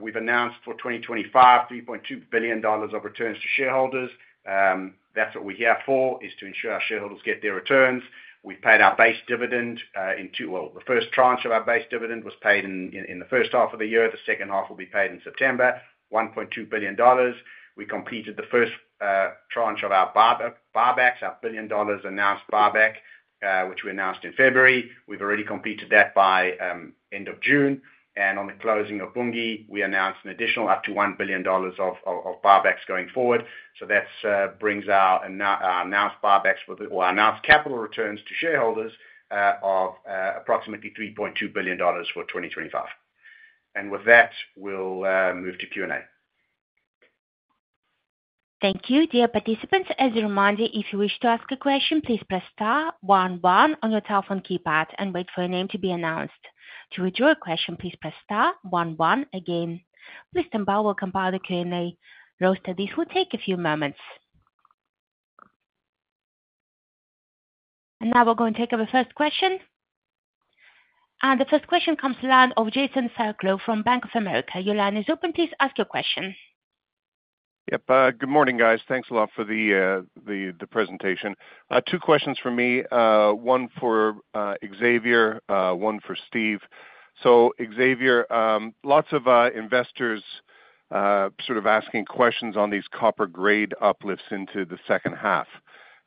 We've announced for 2025, $3.2 billion of returns to shareholders. That's what we're here for, is to ensure our shareholders get their returns. We've paid our base dividend in two, well, the first tranche of our base dividend was paid in the first half of the year. The second half will be paid in September, $1.2 billion. We completed the first tranche of our buybacks, our $1 billion announced buyback, which we announced in February. We've already completed that by end of June. On the closing of Viterra, we announced an additional up to $1 billion of buybacks going forward. That brings our announced buybacks or announced capital returns to shareholders to approximately $3.2 billion for 2025. With that, we'll move to Q&A. Thank you, dear participants. As a reminder, if you wish to ask a question, please press star one one on your telephone keypad and wait for your name to be announced. To read your question, please press star one one again. List and bar will compile the Q&A roster. This will take a few moments. We are going to take up the first question. The first question comes to the line of Jason Fairclough from Bank of America. Your line is open. Please ask your question. Yep. Good morning, guys. Thanks a lot for the presentation. Two questions for me, one for Xavier, one for Steve. Xavier, lots of investors sort of asking questions on these copper grade uplifts into the second half.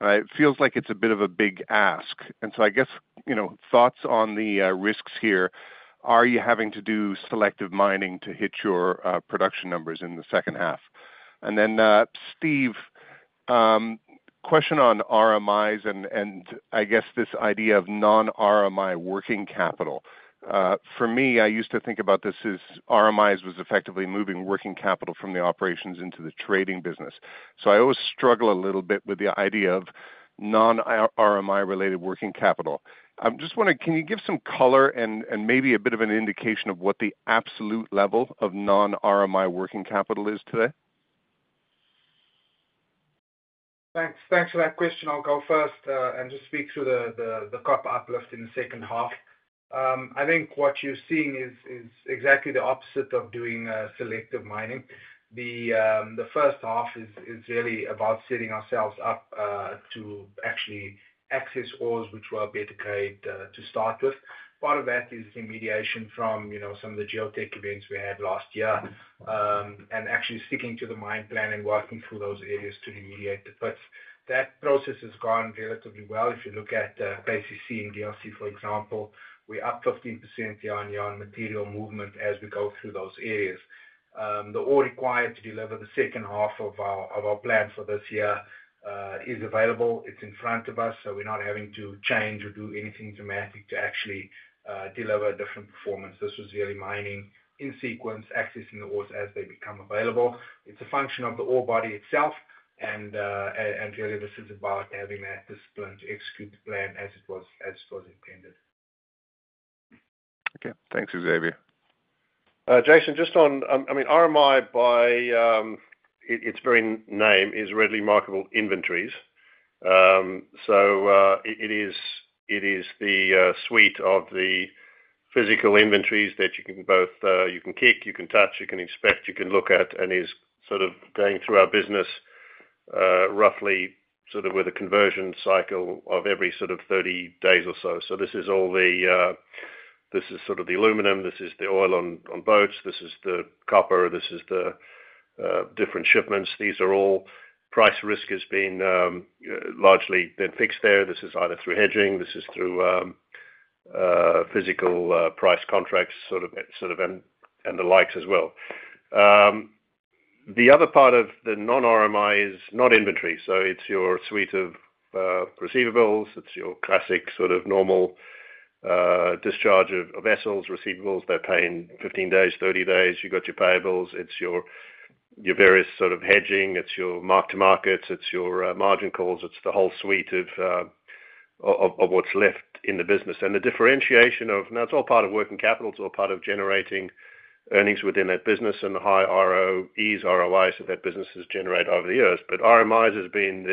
It feels like it's a bit of a big ask. I guess, you know, thoughts on the risks here. Are you having to do selective mining to hit your production numbers in the second half? Steve, question on RMIs, and I guess this idea of non-RMI working capital. For me, I used to think about this as RMIs was effectively moving working capital from the operations into the trading business. I always struggle a little bit with the idea of non-RMI related working capital. I'm just wondering, can you give some color and maybe a bit of an indication of what the absolute level of non-RMI working capital is today? Thanks for that question. I'll go first and just speak through the copper uplift in the second half. I think what you're seeing is exactly the opposite of doing selective mining. The first half is really about setting ourselves up to actually access holes which were better created to start with. Part of that is remediation from some of the geotech events we had last year and actually sticking to the mine plan and working through those areas to remediate the paths. That process has gone relatively well. If you look at KCC and DRC, for example, we're up 15% year-on-year on material movement as we go through those areas. The ore required to deliver the second half of our plan for this year is available. It's in front of us. We're not having to change or do anything dramatic to actually deliver a different performance. This was really mining in sequence, accessing the holes as they become available. It's a function of the ore body itself. This is about having that discipline to execute the plan as it was intended. Okay. Thanks, Xavier. Jason, just on, I mean, RMI by its very name is readily marketable inventories. It is the suite of the physical inventories that you can both, you can kick, you can touch, you can inspect, you can look at, and is sort of going through our business roughly with a conversion cycle of every 30 days or so. This is all the aluminum. This is the oil on boats. This is the copper. This is the different shipments. These are all price risk has been largely fixed there. This is either through hedging. This is through physical price contracts and the likes as well. The other part of the non-RMI is not inventory. It is your suite of receivables. It is your classic normal discharge of vessels, receivables. They're paying 15 days, 30 days. You've got your payables. It is your various hedging. It is your mark-to-markets. It is your margin calls. It is the whole suite of what's left in the business. The differentiation of, now it's all part of working capital. It is all part of generating earnings within that business and the high ROEs, ROIs that that business has generated over the years. RMIs has been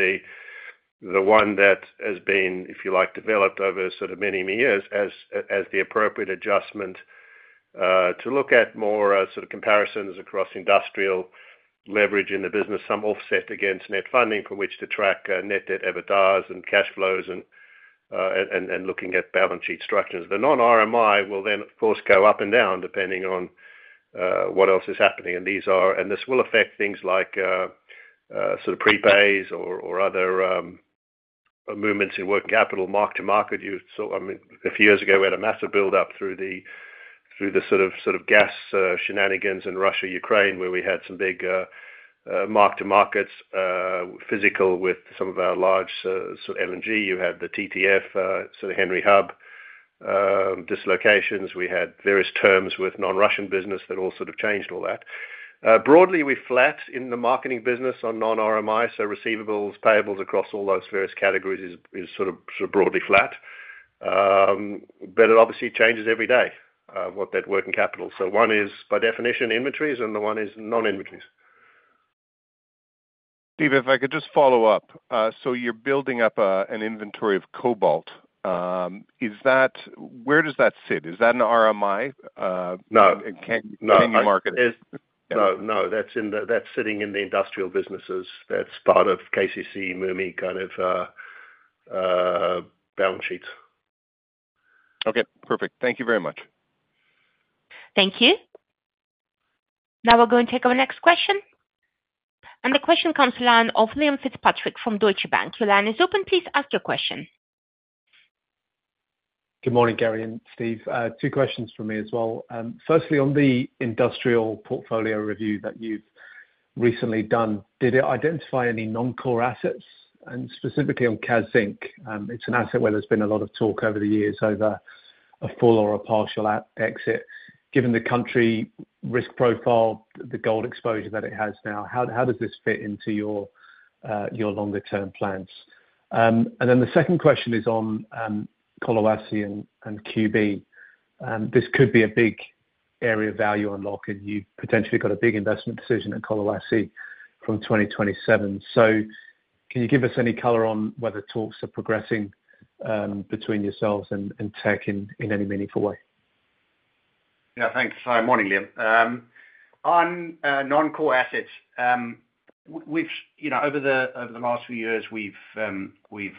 the one that has been, if you like, developed over many, many years as the appropriate adjustment to look at more comparisons across industrial leverage in the business, some offset against net funding from which to track net debt EBITDAs and cash flows and looking at balance sheet structures. The non-RMI will then, of course, go up and down depending on what else is happening. This will affect things like pre-pays or other movements in working capital, mark-to-market. A few years ago, we had a massive buildup through the gas shenanigans in Russia, Ukraine, where we had some big mark-to-markets physical with some of our large LNG. You had the TTF Henry Hub dislocations. We had various terms with non-Russian business that all changed all that. Broadly, we're flat in the marketing business on non-RMI. Receivables, payables across all those various categories is broadly flat. It obviously changes every day, what that working capital. One is by definition inventories, and the one is non-inventories. Steve, if I could just follow up. You're building up an inventory of cobalt. Where does that sit? Is that an RMI? No. It can't be marketed. No, no. That's sitting in the industrial businesses. That's part of KCC, MUMI kind of balance sheets. Okay. Perfect. Thank you very much. Thank you. Now we're going to take our next question. The question comes to the line of Liam Fitzpatrick from Deutsche Bank. Your line is open. Please ask your question. Good morning, Gary and Steve. Two questions from me as well. Firstly, on the industrial portfolio review that you've recently done, did it identify any non-core assets? Specifically on Kazzinc, it's an asset where there's been a lot of talk over the years over a full or a partial exit. Given the country risk profile, the gold exposure that it has now, how does this fit into your longer-term plans? The second question is on Koniambo and QB. This could be a big area of value unlock, and you've potentially got a big investment decision at Koniambo from 2027. Can you give us any color on whether talks are progressing between yourselves and Teck in any meaningful way? Thanks. Hi, morning, Liam. On non-core assets, over the last few years, we've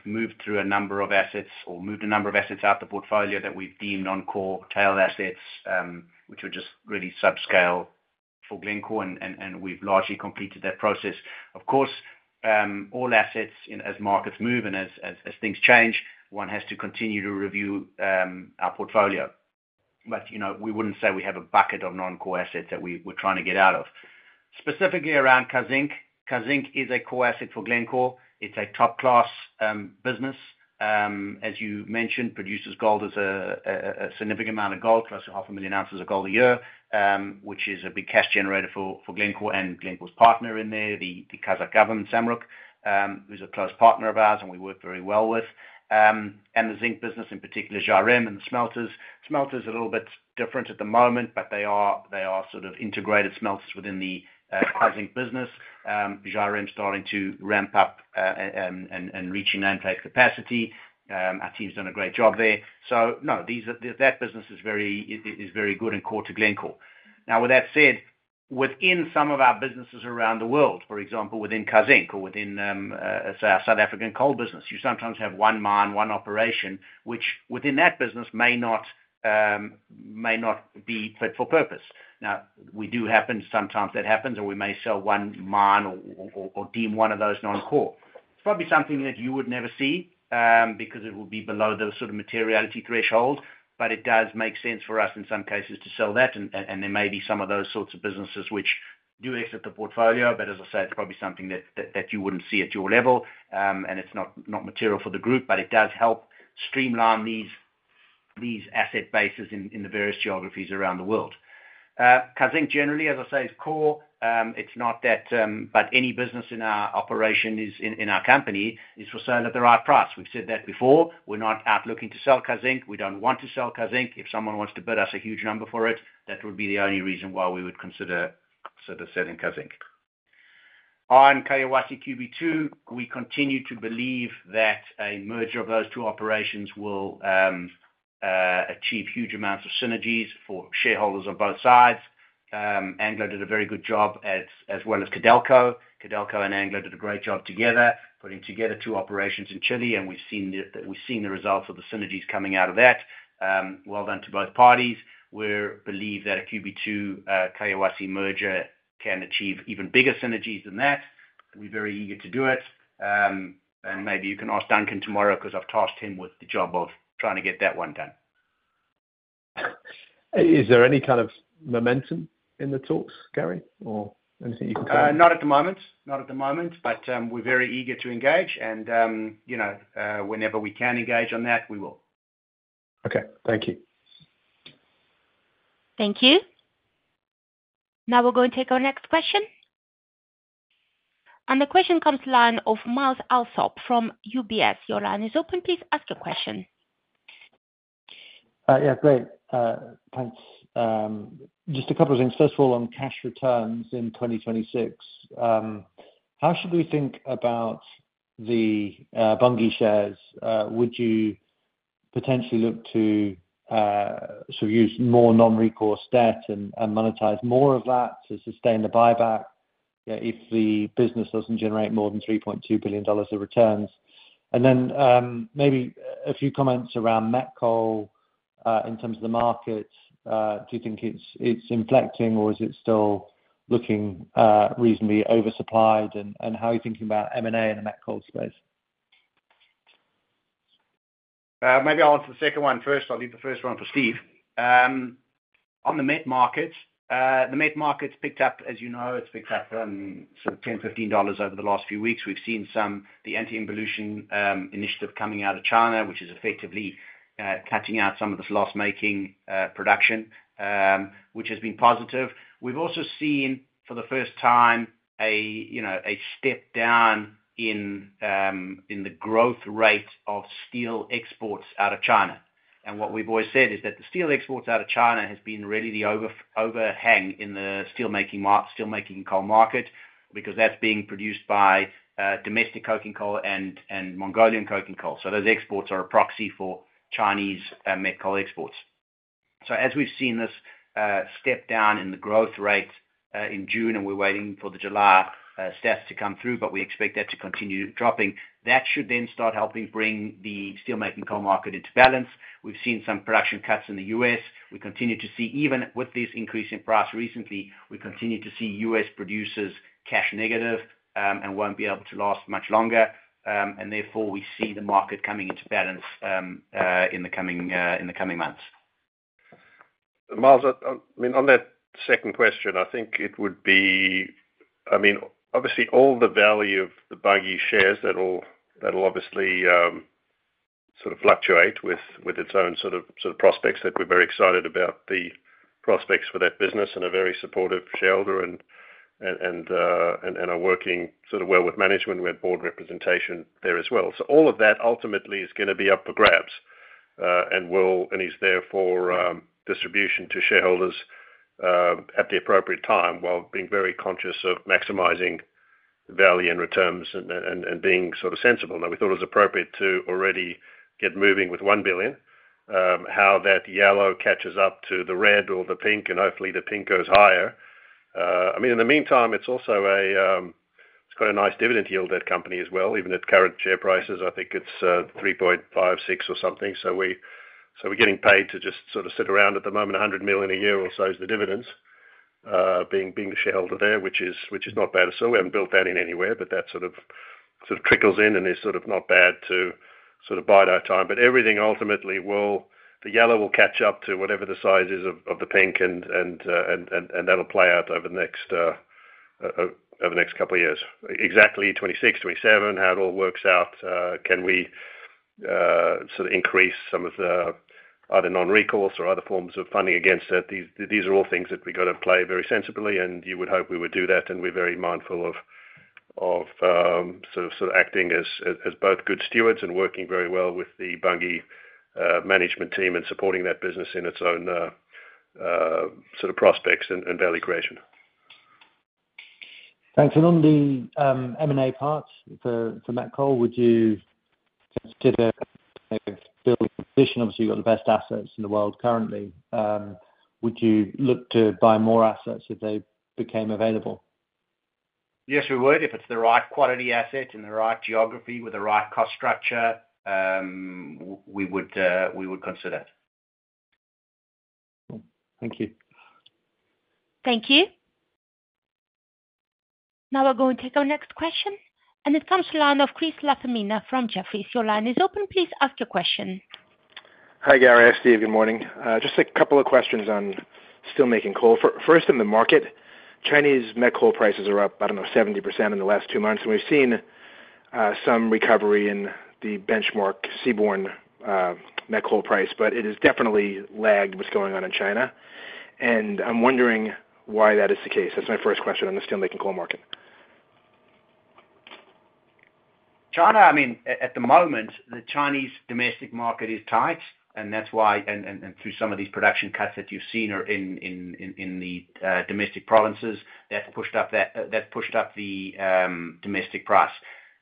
moved through a number of assets or moved a number of assets out of the portfolio that we've deemed non-core tail assets, which are just really subscale for Glencore, and we've largely completed that process. Of course, all assets, as markets move and as things change, one has to continue to review our portfolio. You know we wouldn't say we have a bucket of non-core assets that we're trying to get out of. Specifically around Kazzinc, Kazzinc is a core asset for Glencore. It's a top-class business. As you mentioned, produces gold as a significant amount of gold, close to half a million ounces of gold a year, which is a big cash generator for Glencore and Glencore's partner in there, the Kazakh government, Samruk, who's a close partner of ours and we work very well with. The zinc business in particular, jarring and the smelters. Smelters are a little bit different at the moment, but they are sort of integrated smelters within the Kazzinc business. Jarring is starting to ramp up and reaching anthraic capacity. Our team's done a great job there. No, that business is very good and core to Glencore. With that said, within some of our businesses around the world, for example, within Kazzinc or within our South African coal business, you sometimes have one mine, one operation, which within that business may not be fit for purpose. We do happen sometimes that happens, and we may sell one mine or deem one of those non-core. It's probably something that you would never see because it would be below the sort of materiality threshold, but it does make sense for us in some cases to sell that. There may be some of those sorts of businesses which do exit the portfolio, but as I say, it's probably something that you wouldn't see at your level, and it's not material for the group, but it does help streamline these asset bases in the various geographies around the world. Kazzinc generally, as I say, is core. It's not that, but any business in our operation is in our company is for selling at the right price. We've said that before. We're not out looking to sell Kazzinc. We don't want to sell Kazzinc. If someone wants to bet us a huge number for it, that would be the only reason why we would consider sort of selling Kazzinc. On Collahuasi QB2, we continue to believe that a merger of those two operations will achieve huge amounts of synergies for shareholders on both sides. Anglo did a very good job as well as Codelco. Codelco and Anglo did a great job together, putting together two operations in Chile, and we've seen the results of the synergies coming out of that. Well done to both parties. We believe that a QB2 Collahuasi merger can achieve even bigger synergies than that. We're very eager to do it. Maybe you can ask Duncan tomorrow because I've tasked him with the job of trying to get that one done. Is there any kind of momentum in the talks, Gary, or anything you've heard? Not at the moment. Not at the moment, but we're very eager to engage. You know whenever we can engage on that, we will. Okay. Thank you. Thank you. Now we're going to take our next question. The question comes to the line of Myles Allsop from UBS. Your line is open. Please ask your question. Yeah, great. Thanks. Just a couple of things. First of all, on cash returns in 2026, how should we think about the Bunge shares? Would you potentially look to sort of use more non-recourse debt and monetize more of that to sustain the buyback if the business doesn't generate more than $3.2 billion of returns? Maybe a few comments around met coal in terms of the market. Do you think it's inflecting or is it still looking reasonably oversupplied? How are you thinking about M&A in the met coal space? Maybe I'll answer the second one first. I'll leave the first one for Steve. On the met markets, the met markets picked up, as you know, it's picked up on sort of $10, $15 over the last few weeks. We've seen some of the anti-involution initiative coming out of China, which is effectively cutting out some of this loss-making production, which has been positive. We've also seen for the first time a step down in the growth rate of steel exports out of China. What we've always said is that the steel exports out of China have been really the overhang in the steelmaking coal market because that's being produced by domestic coking coal and Mongolian coking coal. Those exports are a proxy for Chinese met coal exports. As we've seen this step down in the growth rate in June, and we're waiting for the July stats to come through, but we expect that to continue dropping, that should then start helping bring the steelmaking coal market into balance. We've seen some production cuts in the U.S. We continue to see, even with this increase in price recently, we continue to see U.S. producers cash negative and won't be able to last much longer. Therefore, we see the market coming into balance in the coming months. Miles, on that second question, I think it would be, obviously, all the value of the Bunge shares that will obviously sort of fluctuate with its own sort of prospects. We're very excited about the prospects for that business and a very supportive shareholder and are working sort of well with management. We had board representation there as well. All of that ultimately is going to be up for grabs and is there for distribution to shareholders at the appropriate time while being very conscious of maximizing the value and returns and being sort of sensible. We thought it was appropriate to already get moving with $1 billion, how that yellow catches up to the red or the pink, and hopefully, the pink goes higher. In the meantime, it's also got a nice dividend yield, that company as well. Even at current share prices, I think it's 3.56% or something. We're getting paid to just sort of sit around at the moment, $100 million a year or so is the dividends, being the shareholder there, which is not bad at all. We haven't built that in anywhere, but that sort of trickles in and is sort of not bad to sort of buy that time. Everything ultimately will, the yellow will catch up to whatever the size is of the pink, and that'll play out over the next couple of years. Exactly 2026, 2027, how it all works out, can we sort of increase some of the either non-recourse or other forms of funding against it? These are all things that we've got to play very sensibly, and you would hope we would do that. We're very mindful of acting as both good stewards and working very well with the Bunge management team and supporting that business in its own sort of prospects and value creation. Thanks. On the M&A part for met coal, would you consider still in the position, obviously, you've got the best assets in the world currently? Would you look to buy more assets if they became available? Yes, we would. If it's the right quality asset in the right geography with the right cost structure, we would consider it. Thank you. Thank you. Now we're going to take our next question. It comes to the line of Christopher LaFemina from Jefferies. Your line is open. Please ask your question. Hi, Gary. Hi, Steve. Good morning. Just a couple of questions on steelmaking coal. First, in the market, Chinese met coal prices are up, I don't know, 70% in the last two months. We've seen some recovery in the benchmark seaborne met coal price, but it has definitely lagged what's going on in China. I'm wondering why that is the case. That's my first question on the steelmaking coal market. China, I mean, at the moment, the Chinese domestic market is tight. That's why, through some of these production cuts that you've seen in the domestic provinces, that's pushed up the domestic price.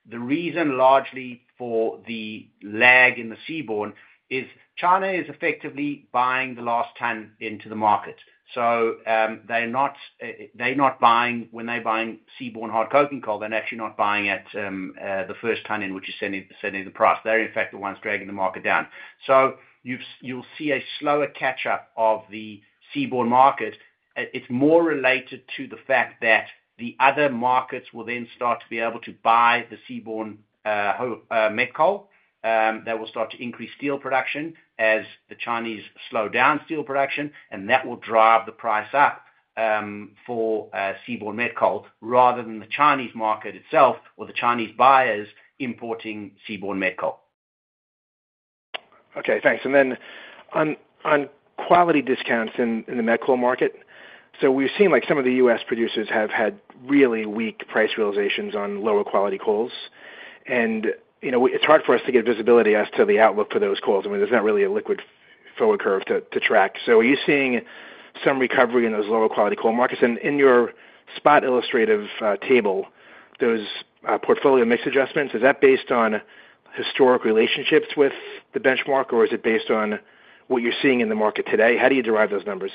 The reason largely for the lag in the seaborne is China is effectively buying the last ton into the market. They're not buying, when they're buying seaborne hard coking coal, they're actually not buying at the first ton in which you're setting the price. They're, in fact, the ones dragging the market down. You'll see a slower catch-up of the seaborne market. It's more related to the fact that the other markets will then start to be able to buy the seaborne met coal. That will start to increase steel production as the Chinese slow down steel production, and that will drive the price up for seaborne met coal rather than the Chinese market itself or the Chinese buyers importing seaborne met coal. Okay. Thanks. On quality discounts in the met coal market, we've seen some of the U.S. producers have had really weak price realizations on lower quality coals. It's hard for us to get visibility as to the outlook for those coals. There's not really a liquid forward curve to track. Are you seeing some recovery in those lower quality coal markets? In your spot illustrative table, those portfolio mix adjustments, is that based on historic relationships with the benchmark, or is it based on what you're seeing in the market today? How do you derive those numbers?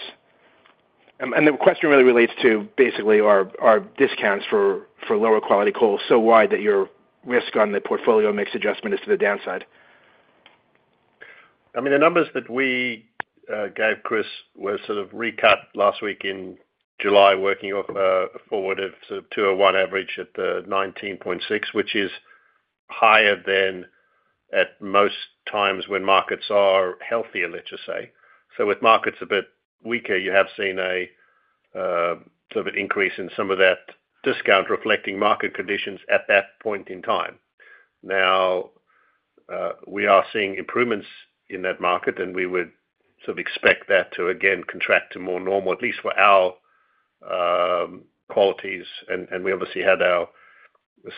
The question really relates to whether our discounts for lower quality coal are so wide that your risk on the portfolio mix adjustment is to the downside. I mean, the numbers that. The Gap, Chris, was sort of recut last week in July, working up forward of sort of 201 average at the 19.6, which is higher than at most times when markets are healthier, let's just say. With markets a bit weaker, you have seen a sort of an increase in some of that discount reflecting market conditions at that point in time. Now, we are seeing improvements in that market, and we would sort of expect that to again contract to more normal, at least for our qualities. We obviously had our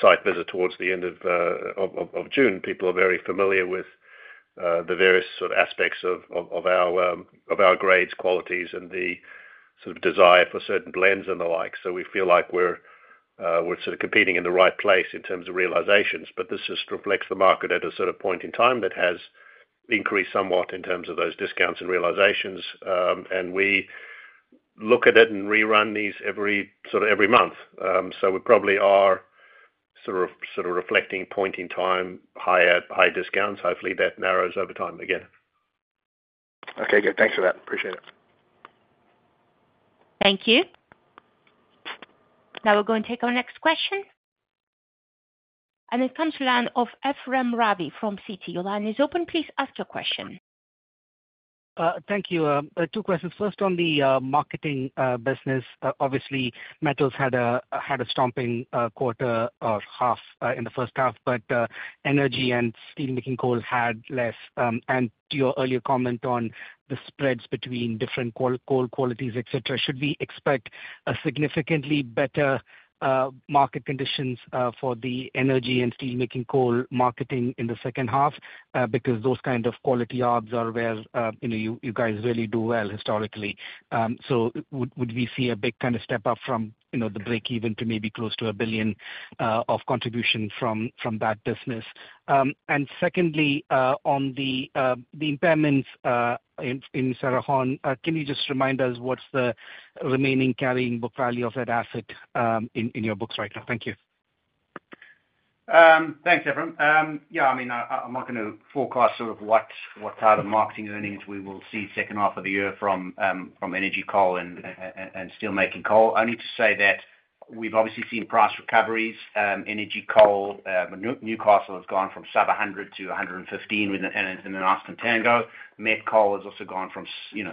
site visit towards the end of June. People are very familiar with the various sort of aspects of our grades, qualities, and the sort of desire for certain blends and the like. We feel like we're sort of competing in the right place in terms of realizations. This just reflects the market at a sort of point in time that has increased somewhat in terms of those discounts and realizations. We look at it and rerun these sort of every month. We probably are sort of reflecting point in time, higher high discounts. Hopefully, that narrows over time again. Okay, good. Thanks for that. Appreciate it. Thank you. Now we're going to take our next question. It comes from the line of Ephrem Ravi from Citi. Your line is open, please ask your question. Thank you. Two questions. First on the marketing business. Obviously, metals had a stomping quarter or half in the first half, but energy and steelmaking coal had less. Your earlier comment on the spreads between different coal qualities, etc., should we expect significantly better market conditions for the energy and steelmaking coal marketing in the second half? Those kinds of quality jobs are where you guys really do well historically. Would we see a big kind of step up from the break-even to maybe close to $1 billion of contribution from that business? Secondly, on the impairments in Cerrejón, can you just remind us what's the remaining carrying book value of that asset in your books right now? Thank you. Thanks, Ephrem. Yeah, I mean, I'm not going to forecast sort of what type of marketing earnings we will see second half of the year from energy coal and steelmaking coal. I need to say that we've obviously seen price recoveries. Energy coal, Newcastle has gone from sub $100-$115 in the last contango. Met coal has also gone from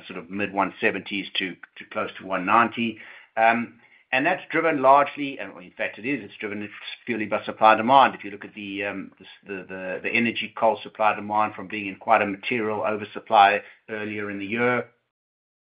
sort of mid-$170s to close to $190. That's driven largely, and in fact, it is, it's driven purely by supply demand. If you look at the energy coal supply demand from being in quite a material oversupply earlier in the year,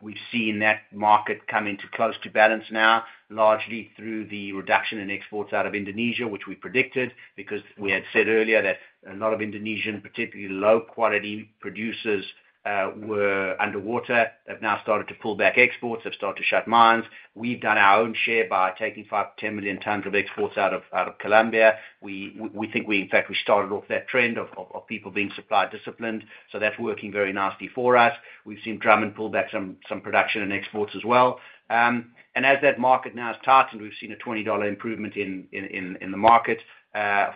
we've seen that market come into close to balance now, largely through the reduction in exports out of Indonesia, which we predicted because we had said earlier that a lot of Indonesian, particularly low-quality producers, were underwater, have now started to pull back exports, have started to shut mines. We've done our own share by taking 5 million-10 million tons of exports out of Colombia. We think we, in fact, we started off that trend of people being supply disciplined. That's working very nicely for us. We've seen drum and pull back some production and exports as well. As that market now has tightened, we've seen a $20 improvement in the market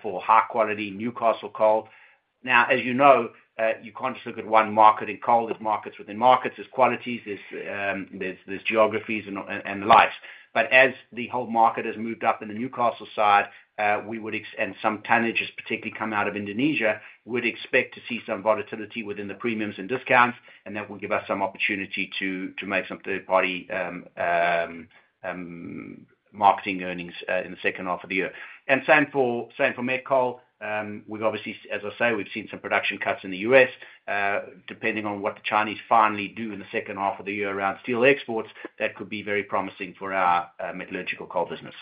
for high-quality Newcastle coal. Now, as you know, you can't just look at one market in coal. There's markets within markets. There's qualities. There's geographies and the likes. As the whole market has moved up in the Newcastle side, we would, and some tonnages particularly come out of Indonesia, would expect to see some volatility within the premiums and discounts. That will give us some opportunity to make some third-party marketing earnings in the second half of the year. Same for met coal. As I say, we've seen some production cuts in the U.S. Depending on what the Chinese finally do in the second half of the year around steel exports, that could be very promising for our metallurgical coal business.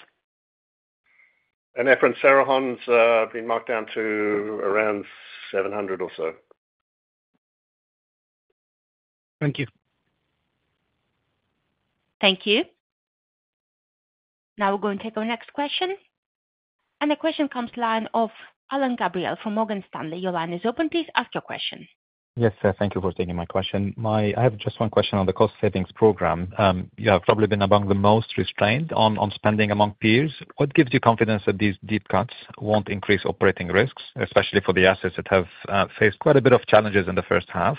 Efrem, Cerrejón's been marked down to around 700 or so. Thank you. Thank you. Now we're going to take our next question. The question comes to the line of Alain Gabriel from Morgan Stanley. Your line is open, please ask your question. Yes, sir. Thank you for taking my question. I have just one question on the cost savings program. You have probably been among the most restrained on spending among peers. What gives you confidence that these deep cuts won't increase operating risks, especially for the assets that have faced quite a bit of challenges in the first half?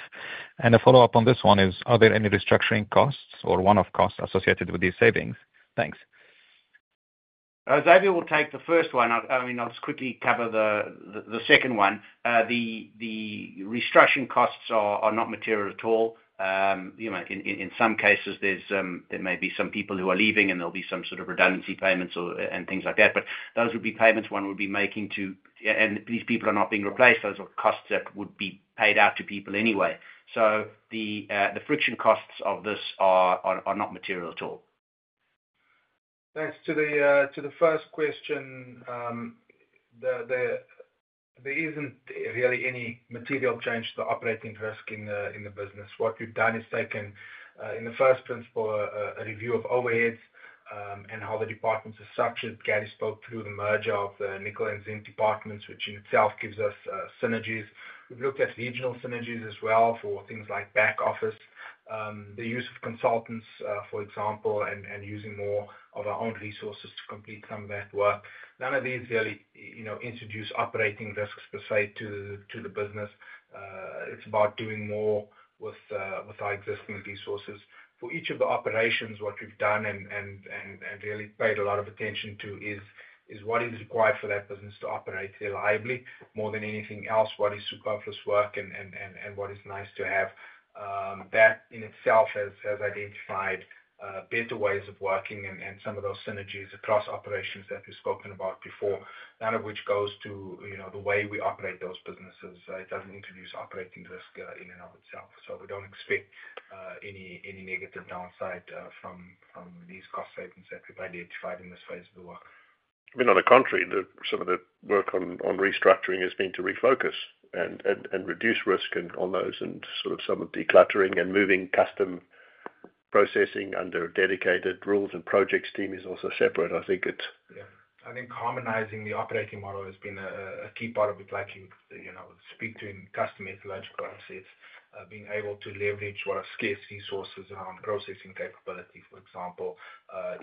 A follow-up on this one is, are there any restructuring costs or one-off costs associated with these savings? Thanks. Xavier will take the first one. I'll just quickly cover the second one. The restructuring costs are not material at all. In some cases, there may be some people who are leaving and there'll be some sort of redundancy payments and things like that. Those would be payments one would be making to, and these people are not being replaced. Those are costs that would be paid out to people anyway. The friction costs of this are not material at all. Thanks. To the first question, there isn't really any material change to the operating risk in the business. What we've done is taken, in the first principle, a review of overheads and how the departments are structured. Gary spoke through the merger of the nickel and zinc departments, which in itself gives us synergies. We've looked at regional synergies as well for things like back office, the use of consultants, for example, and using more of our own resources to complete some of that work. None of these really introduce operating risks per se to the business. It's about doing more with our existing resources. For each of the operations, what we've done and really paid a lot of attention to is what is required for that business to operate reliably more than anything else, what is superfluous work and what is nice to have. That in itself has identified better ways of working and some of those synergies across operations that we've spoken about before, none of which goes to the way we operate those businesses. It doesn't introduce operating risk in and of itself. We don't expect any negative downside from these cost savings that we've identified in this phase of the work. I mean, on the contrary, some of the work on restructuring has been to refocus and reduce risk on those, and some of the cluttering and moving custom processing under dedicated rules and projects team is also separate, I think. Yeah. I think harmonizing the operating model has been a key part of reflecting, speak to custom metallurgical assets. Being able to leverage what our scarce resources are on processing capability, for example,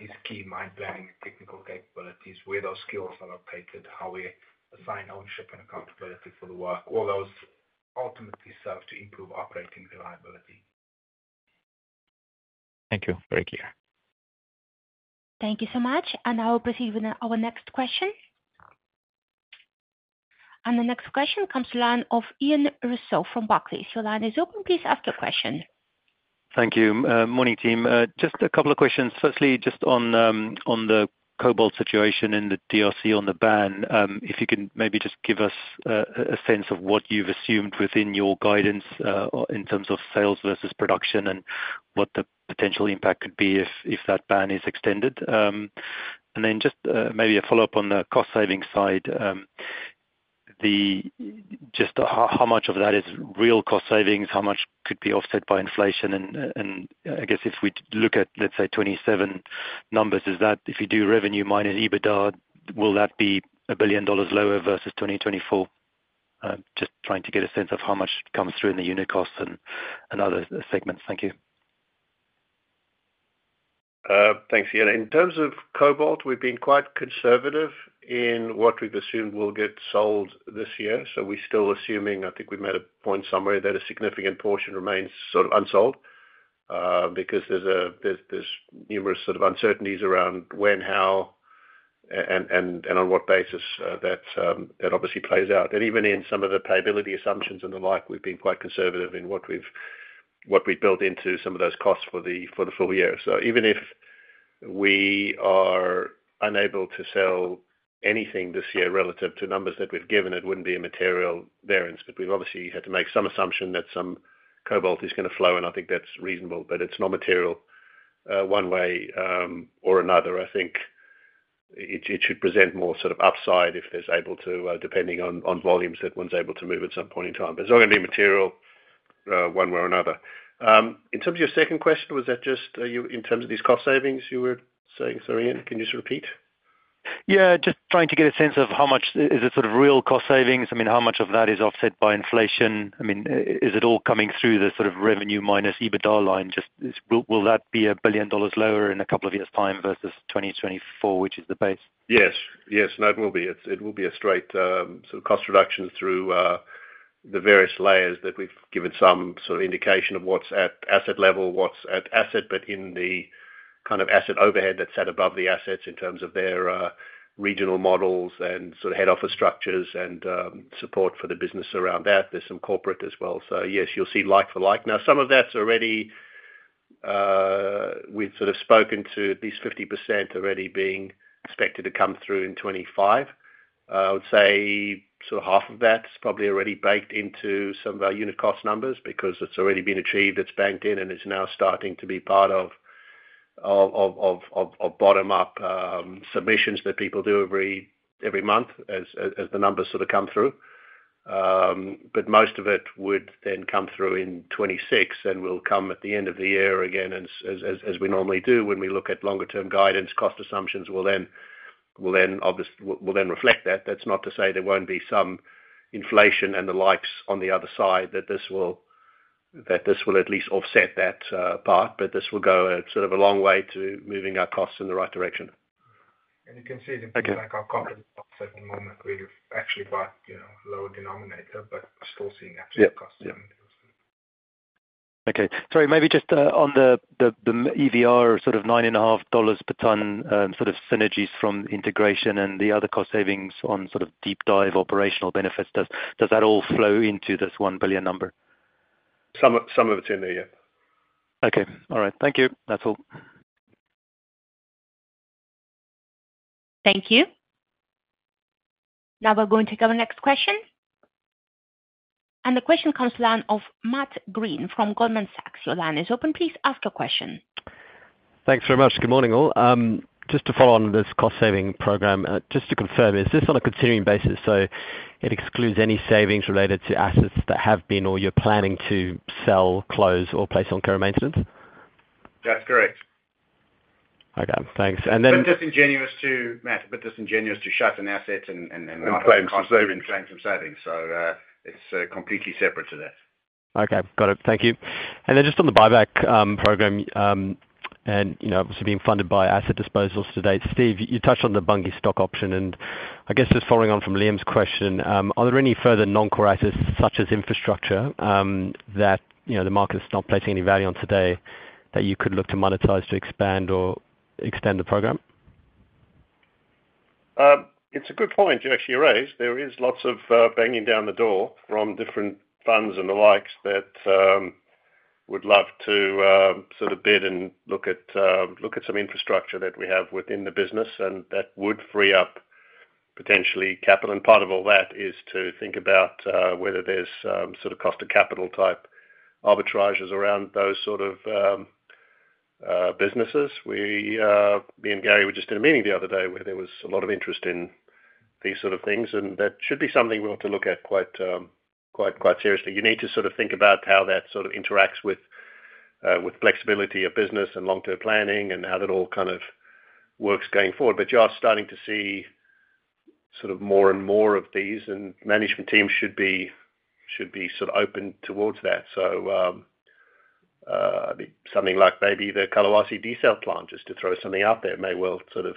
is key. Mind blank technical capabilities, where those skills are updated, how we assign ownership and accountability for the work. All those ultimately serve to improve operating reliability. Thank you. Very clear. Thank you so much. I will proceed with our next question. The next question comes to the line of Ian Russell from Barclays. The line is open. Please ask your question. Thank you. Morning, team. Just a couple of questions, firstly just on the cobalt situation in the DRC on the ban. If you can maybe just give us a sense of what you've assumed within your guidance in terms of sales versus production and what the potential impact could be if that ban is extended. Just maybe a follow-up on the cost savings side. How much of that is real cost savings? How much could be offset by inflation? I guess if we look at, let's say, 2027 numbers, is that if you do revenue minus EBITDA, will that be a billion dollars lower versus 2024? I'm just trying to get a sense of how much comes through in the unit costs and other segments. Thank you. Thanks, Ian. In terms of cobalt, we've been quite conservative in what we've assumed will get sold this year. We're still assuming, I think we made a point somewhere that a significant portion remains sort of unsold because there's numerous uncertainties around when, how, and on what basis that obviously plays out. Even in some of the payability assumptions and the like, we've been quite conservative in what we've built into some of those costs for the full year. Even if we are unable to sell anything this year relative to numbers that we've given, it wouldn't be a material variance. We've obviously had to make some assumption that some cobalt is going to flow, and I think that's reasonable, but it's not material one way or another. I think it should present more upside if there's able to, depending on volumes that one's able to move at some point in time. It's not going to be material one way or another. In terms of your second question, was that just in terms of these cost savings you were saying, sorry, Ian, can you just repeat? Yeah, just trying to get a sense of how much is it sort of real cost savings. I mean, how much of that is offset by inflation? I mean, is it all coming through the sort of revenue minus EBITDA line? Just will that be $1 billion lower in a couple of years' time versus 2024, which is the base? Yes. Yes. No, it will be. It will be a straight sort of cost reduction through the various layers that we've given some sort of indication of what's at asset level, what's at asset, but in the kind of asset overhead that's set above the assets in terms of their regional models and sort of head office structures and support for the business around that. There's some corporate as well. Yes, you'll see like for like. Now, some of that's already, we've sort of spoken to at least 50% already being expected to come through in 2025. I would say sort of half of that is probably already baked into some of our unit cost numbers because it's already been achieved. It's banked in and it's now starting to be part of bottom-up submissions that people do every month as the numbers sort of come through. Most of it would then come through in 2026 and will come at the end of the year again, as we normally do when we look at longer-term guidance. Cost assumptions will then reflect that. That's not to say there won't be some inflation and the likes on the other side that this will at least offset that part, but this will go a sort of a long way to moving our costs in the right direction. You can see the backup company at a certain moment, really, actually quite a lower denominator, but we're still seeing actual cost savings. Okay. Sorry, maybe just on the EVR, sort of $9.5 per ton, sort of synergies from integration and the other cost savings on sort of deep dive operational benefits, does that all flow into this $1 billion number? Some of it's in there, yeah. Okay. All right. Thank you. That's all. Thank you. Now we're going to take our next question. The question comes to the line of Matt Greene from Goldman Sachs. Your line is open. Please ask your question. Thanks very much. Good morning all. Just to follow on this cost savings program, just to confirm, is this on a continuing basis? It excludes any savings related to assets that have been or you're planning to sell, close, or place on current maintenance? That's correct. Okay. Thanks. Just ingenuous to Matt, just ingenuous to shut an asset and not have cost savings claim from savings. It's completely separate to that. Okay. Got it. Thank you. Just on the buyback program, you know obviously being funded by asset disposals to date, Steve, you touched on the Bunge stock option. I guess just following on from Liam's question, are there any further non-core assets such as infrastructure that you know the market is not placing any value on today that you could look to monetize to expand or extend the program? It's a good point you actually raised. There is lots of banging down the door from different funds and the likes that would love to sort of bid and look at some infrastructure that we have within the business. That would free up potentially capital. Part of all that is to think about whether there's sort of cost-of-capital type arbitrages around those sort of businesses. Me and Gary were just in a meeting the other day where there was a lot of interest in these sort of things. That should be something we want to look at quite seriously. You need to sort of think about how that sort of interacts with flexibility of business and long-term planning and how that all kind of works going forward. You are starting to see sort of more and more of these, and management teams should be sort of open towards that. I mean, something like maybe the Collahuasi Diesel Plant, just to throw something out there, may well sort of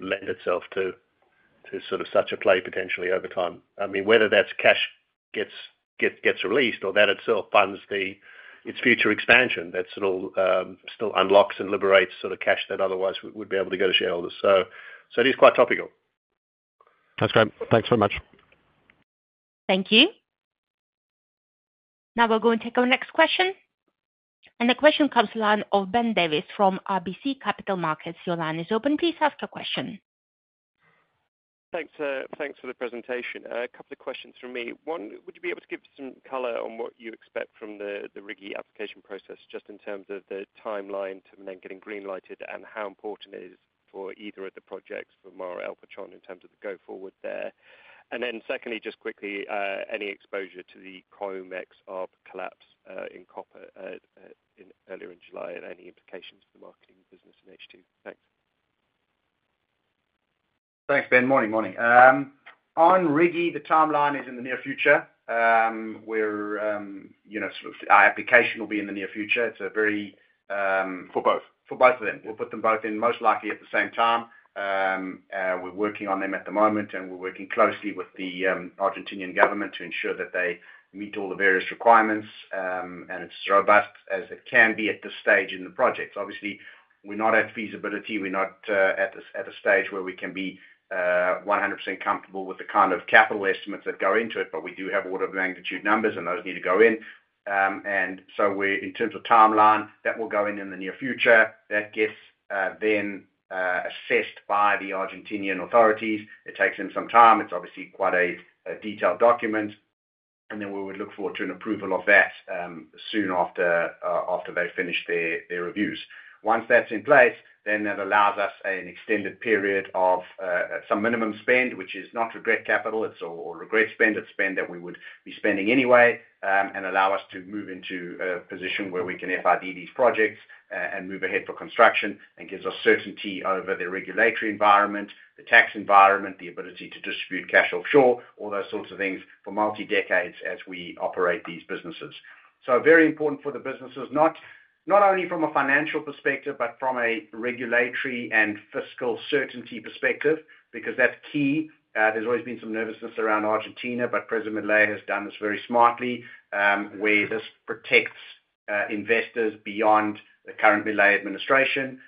lend itself to sort of such a play potentially over time. Whether that's cash gets released or that itself funds its future expansion, that sort of still unlocks and liberates sort of cash that otherwise would be able to go to shareholders. It is quite topical. That's great. Thanks very much. Thank you. Now we're going to take our next question. The question comes to the line of Ben Davis from RBC Capital Markets. Your line is open. Please ask your question. Thanks for the presentation. A couple of questions from me. One, would you be able to give some color on what you expect from the RIGI application process just in terms of the timeline to then getting greenlighted and how important it is for either of the projects for MARA, El Pachón in terms of the go-forward there? Secondly, just quickly, any exposure to the coin mix of collapse in copper earlier in July and any implications for the marketing business in H2? Thanks. Thanks, Ben. Morning, morning. On RIGI, the timeline is in the near future. Our application will be in the near future. It's a very... For both? For both of them. We'll put them both in most likely at the same time. We're working on them at the moment, and we're working closely with the Argentinian government to ensure that they meet all the various requirements and it's as robust as it can be at this stage in the project. Obviously, we're not at feasibility. We're not at a stage where we can be 100% comfortable with the kind of capital estimates that go into it, but we do have order of magnitude numbers and those need to go in. In terms of timeline, that will go in in the near future. That gets then assessed by the Argentinian authorities. It takes them some time. It's obviously quite a detailed document. We would look forward to an approval of that soon after they finish their reviews. Once that's in place, that allows us an extended period of some minimum spend, which is not regret capital. It's all regret spend. It's spend that we would be spending anyway and allow us to move into a position where we can FRD these projects and move ahead for construction and gives us certainty over the regulatory environment, the tax environment, the ability to distribute cash offshore, all those sorts of things for multi-decades as we operate these businesses. Very important for the businesses, not only from a financial perspective, but from a regulatory and fiscal certainty perspective because that's key. There's always been some nervousness around Argentina, but President Milei has done this very smartly where this protects investors beyond the current Milei administration,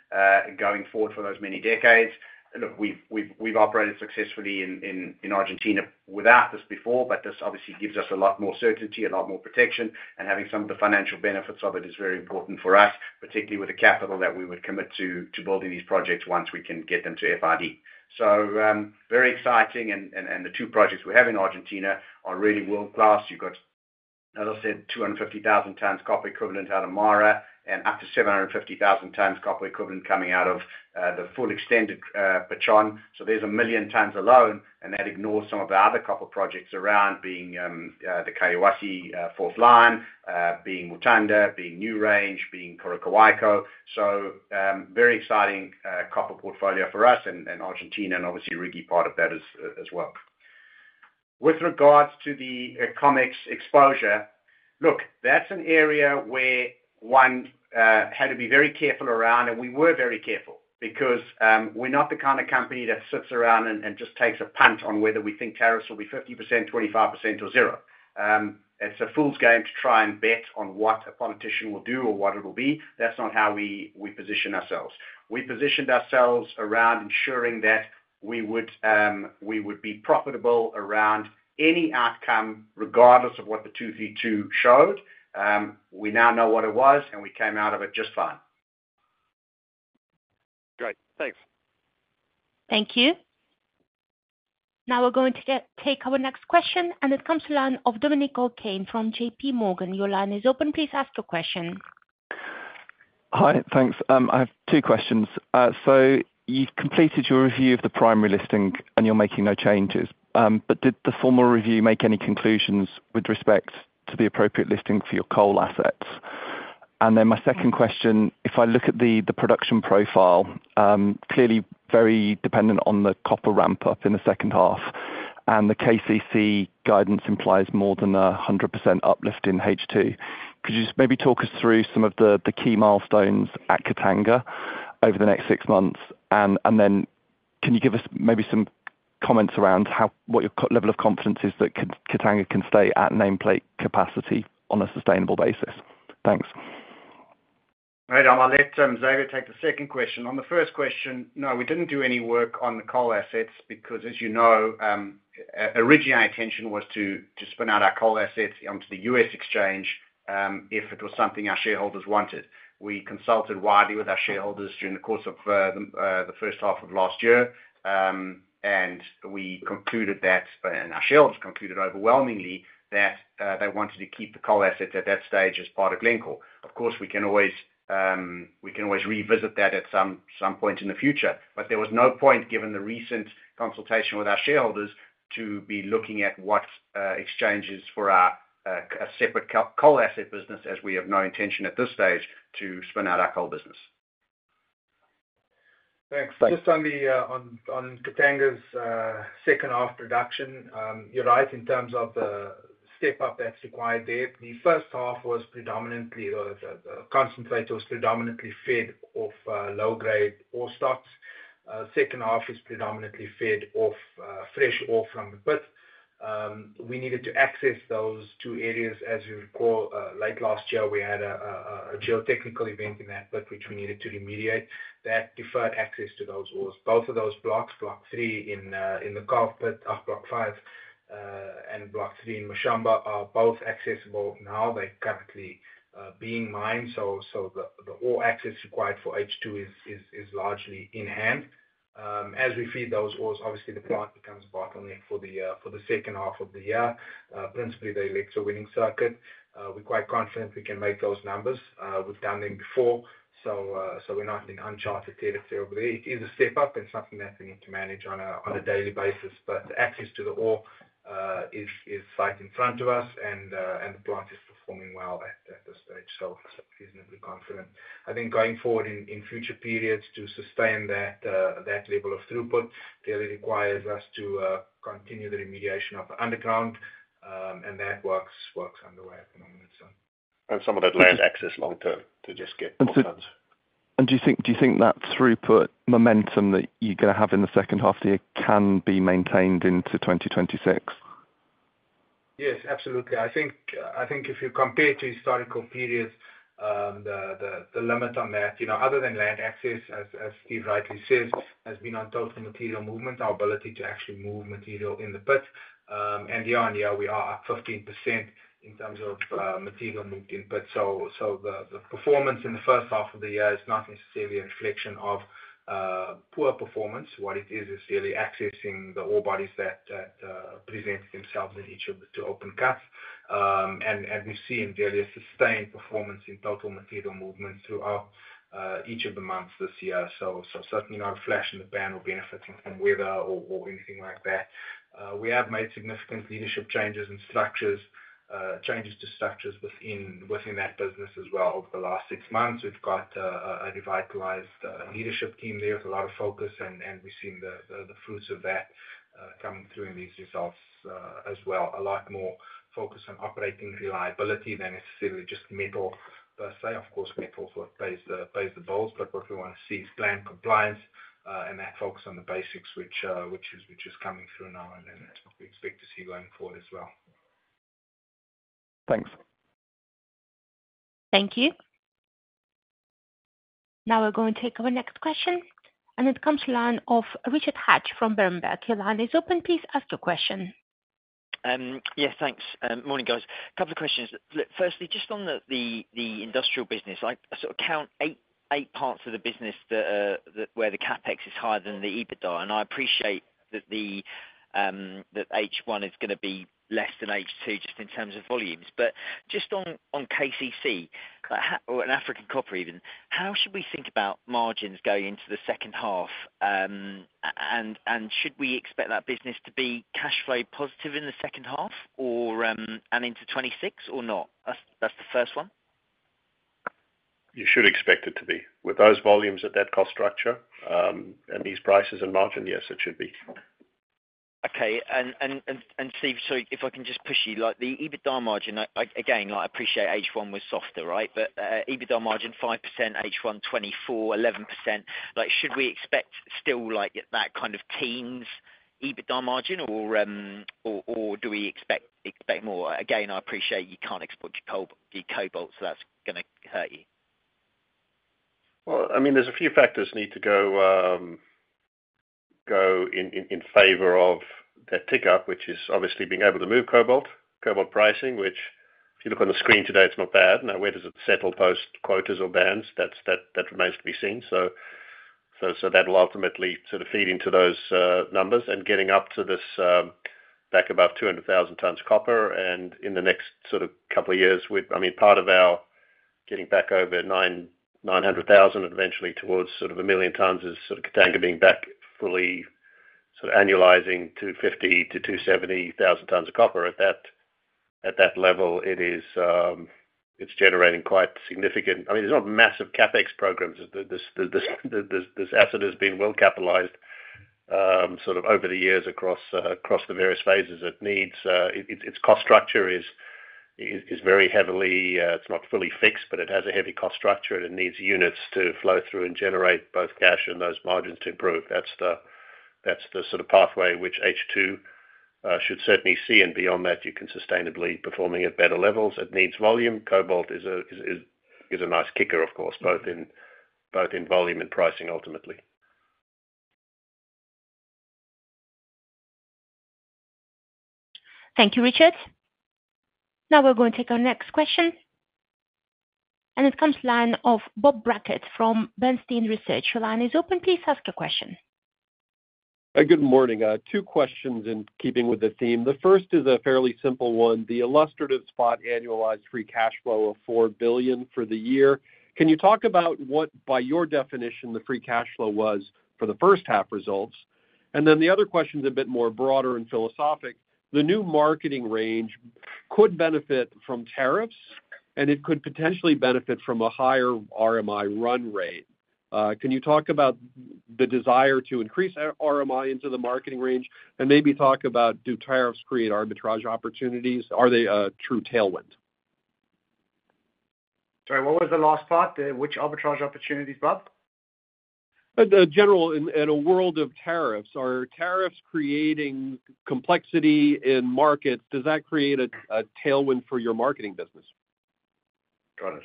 going forward for those many decades. Look, we've operated successfully in Argentina without this before, but this obviously gives us a lot more certainty, a lot more protection. Having some of the financial benefits of it is very important for us, particularly with the capital that we would commit to building these projects once we can get them to FRD. Very exciting. The two projects we have in Argentina are really world-class. You've got, as I said, 250,000 tons copper equivalent out of MARA and up to 750,000 tons copper equivalent coming out of the full extended El Pachón. There's a million tons alone, and that ignores some of our other copper projects around being the Collahuasi fourth line, being Mutanda, being New Range, being Koniambo. Very exciting copper portfolio for us in Argentina, and obviously RIGI part of that as well. With regards to the COMEX exposure, look, that's an area where one had to be very careful around, and we were very careful because we're not the kind of company that sits around and just takes a punt on whether we think tariffs will be 50%, 25%, or 0%. It's a fool's game to try and bet on what a politician will do or what it will be. That's not how we position ourselves. We positioned ourselves around ensuring that we would be profitable around any outcome, regardless of what the 232 showed. We now know what it was, and we came out of it just fine. Great. Thanks. Thank you. Now we're going to take our next question, and it comes to the line of Dominic O'Kane from JPMorgan. Your line is open. Please ask your question. Hi. Thanks. I have two questions. You've completed your review of the primary listing, and you're making no changes. Did the formal review make any conclusions with respect to the appropriate listing for your coal assets? My second question, if I look at the production profile, clearly very dependent on the copper ramp-up in the second half, and the KCC guidance implies more than 100% uplift in H2. Could you just maybe talk us through some of the key milestones at Katanga over the next six months? Can you give us maybe some comments around what your level of confidence is that Katanga can stay at nameplate capacity on a sustainable basis? Thanks. All right. I'll let Xavier take the second question. On the first question, no, we didn't do any work on the coal assets because, as you know, originally, our intention was to spin out our coal assets onto the U.S. exchange if it was something our shareholders wanted. We consulted widely with our shareholders during the course of the first half of last year, and we concluded that, and our shareholders concluded overwhelmingly that they wanted to keep the coal assets at that stage as part of Glencore. Of course, we can always revisit that at some point in the future. There was no point, given the recent consultation with our shareholders, to be looking at what exchanges for our separate coal asset business, as we have no intention at this stage to spin out our coal business. Thanks. Just on Katanga's second half production, you're right in terms of the step-up that's required there. The first half was predominantly, or the concentrator was predominantly fed off low-grade ore stocks. The second half is predominantly fed off fresh ore from the pit. We needed to access those two areas. As you recall, late last year, we had a geotechnical event in that pit, which we needed to remediate. That deferred access to those ores. Both of those blocks, block three in the carpet of block five and block three in Mashamba, are both accessible now. They're currently being mined. The ore access required for H2 is largely in hand. As we feed those ores, obviously, the plant becomes bottleneck for the second half of the year, principally the electrowinning circuit. We're quite confident we can make those numbers. We've done them before. We're not having uncharted territory over there. It is a step-up and something that we need to manage on a daily basis. The access to the ore is right in front of us, and the plant is performing well at this stage. I'm reasonably confident. I think going forward in future periods to sustain that level of throughput really requires us to continue the remediation up underground. That work's underway at the moment. Some of that land access long-term to just get concerns. Do you think that throughput momentum that you're going to have in the second half of the year can be maintained into 2026? Yes, absolutely. I think if you compare to historical periods, the limit on that, you know, other than land access, as Steve rightly says, has been a total material movement, our ability to actually move material in the pit. Year-on-year, we are at 15% in terms of material moved input. The performance in the first half of the year is not necessarily a reflection of poor performance. What it is, it's really accessing the ore bodies that presented themselves at each of the two open caps. We've seen really a sustained performance in total material movements throughout each of the months this year. Certainly no flash in the pan or benefiting from weather or anything like that. We have made significant leadership changes and changes to structures within that business as well over the last six months. We've got a revitalized leadership team there with a lot of focus, and we've seen the fruits of that coming through in these results as well. A lot more focus on operating reliability than necessarily just metal per se. Of course, metal plays the role, but what we want to see is plan compliance and that focus on the basics, which is coming through now. That's what we expect to see going forward as well. Thanks. Thank you. Now we're going to take our next question. It comes to the line of Richard Hatch from Berenberg. Your line is open. Please ask your question. Yeah, thanks. Morning guys. A couple of questions. Firstly, just on the industrial business, I sort of count eight parts of the business where the CapEx is higher than the EBITDA. I appreciate that the H1 is going to be less than H2 just in terms of volumes. Just on KCC or on African copper even, how should we think about margins going into the second half? Should we expect that business to be cash flow positive in the second half and into 2026 or not? That's the first one. You should expect it to be. With those volumes at that cost structure and these prices in margin, yes, it should be. Okay. Steve, sorry, if I can just push you, like the EBITDA margin, again, I appreciate H1 was softer, right? EBITDA margin 5%, H1 2024, 11%. Should we expect still like that kind of teens EBITDA margin or do we expect more? I appreciate you can't export your cobalt, so that's going to hurt you. There are a few factors that need to go in favor of that tick up, which is obviously being able to move cobalt. Cobalt pricing, which if you look on the screen today, it's not bad. Now, where does it settle post quotas or bans? That remains to be seen. That will ultimately sort of feed into those numbers. Getting up to this back above 200,000 tons copper in the next sort of couple of years, part of our getting back over 900,000 and eventually towards sort of a million tons is sort of Katanga being back fully sort of annualizing 250,000-270,000 tons of copper. At that level, it's generating quite significant... I mean, there's not massive CapEx programs. This asset has been well capitalized over the years across the various phases. It needs... Its cost structure is very heavily... It's not fully fixed, but it has a heavy cost structure and it needs units to flow through and generate both cash and those margins to improve. That's the sort of pathway which H2 should certainly see. Beyond that, you can sustainably perform at better levels. It needs volume. Cobalt is a nice kicker, of course, both in volume and pricing ultimately. Thank you, Richard. Now we're going to take our next question. It comes to the line of Bob Brackett from Bernstein Research. Your line is open. Please ask your question. Good morning. Two questions in keeping with the theme. The first is a fairly simple one. The illustrative spot annualized free cash flow of $4 billion for the year. Can you talk about what, by your definition, the free cash flow was for the first half results? The other question is a bit more broader and philosophic. The new marketing range could benefit from tariffs, and it could potentially benefit from a higher RMI run rate. Can you talk about the desire to increase RMI into the marketing range and maybe talk about do tariffs create arbitrage opportunities? Are they a true tailwind? Sorry, what was the last part? Which arbitrage opportunities, Bob? General, in a world of tariffs, are tariffs creating complexity in market? Does that create a tailwind for your marketing business? Got it.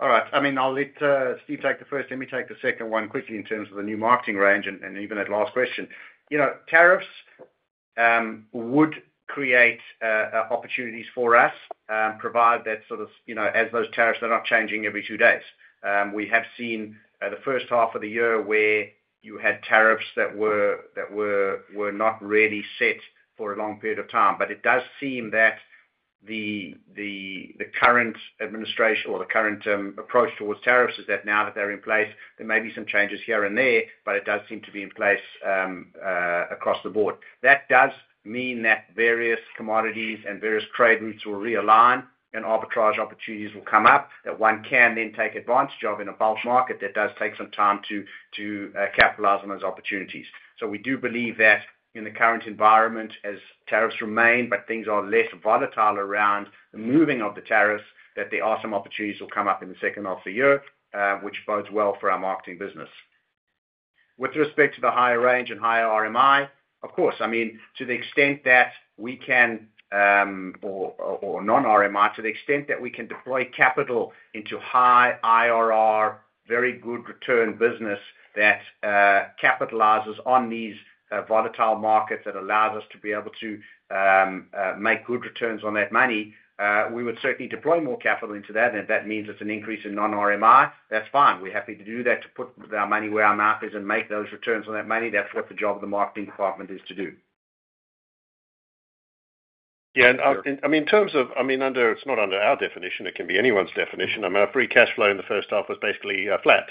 All right. I'll let Steve take the first. Let me take the second one quickly in terms of the new marketing range. Even that last question, you know, tariffs would create opportunities for us, provide that sort of, you know, as those tariffs, they're not changing every two days. We have seen the first half of the year where you had tariffs that were not really set for a long period of time. It does seem that the current administration or the current approach towards tariffs is that now that they're in place, there may be some changes here and there, but it does seem to be in place across the board. That does mean that various commodities and various trade routes will realign and arbitrage opportunities will come up that one can then take advantage of in a bulge market that does take some time to capitalize on those opportunities. We do believe that in the current environment, as tariffs remain, but things are less volatile around the moving of the tariffs, that there are some opportunities that will come up in the second half of the year, which bodes well for our marketing business. With respect to the higher range and higher RMI, of course, I mean, to the extent that we can, or non-RMI, to the extent that we can deploy capital into high IRR, very good return business that capitalizes on these volatile markets that allows us to be able to make good returns on that money, we would certainly deploy more capital into that. If that means it's an increase in non-RMI, that's fine. We're happy to do that to put our money where our mouth is and make those returns on that money. That's what the job of the marketing department is to do. Yeah. In terms of, I mean, under, it's not under our definition. It can be anyone's definition. Our free cash flow in the first half was basically flat.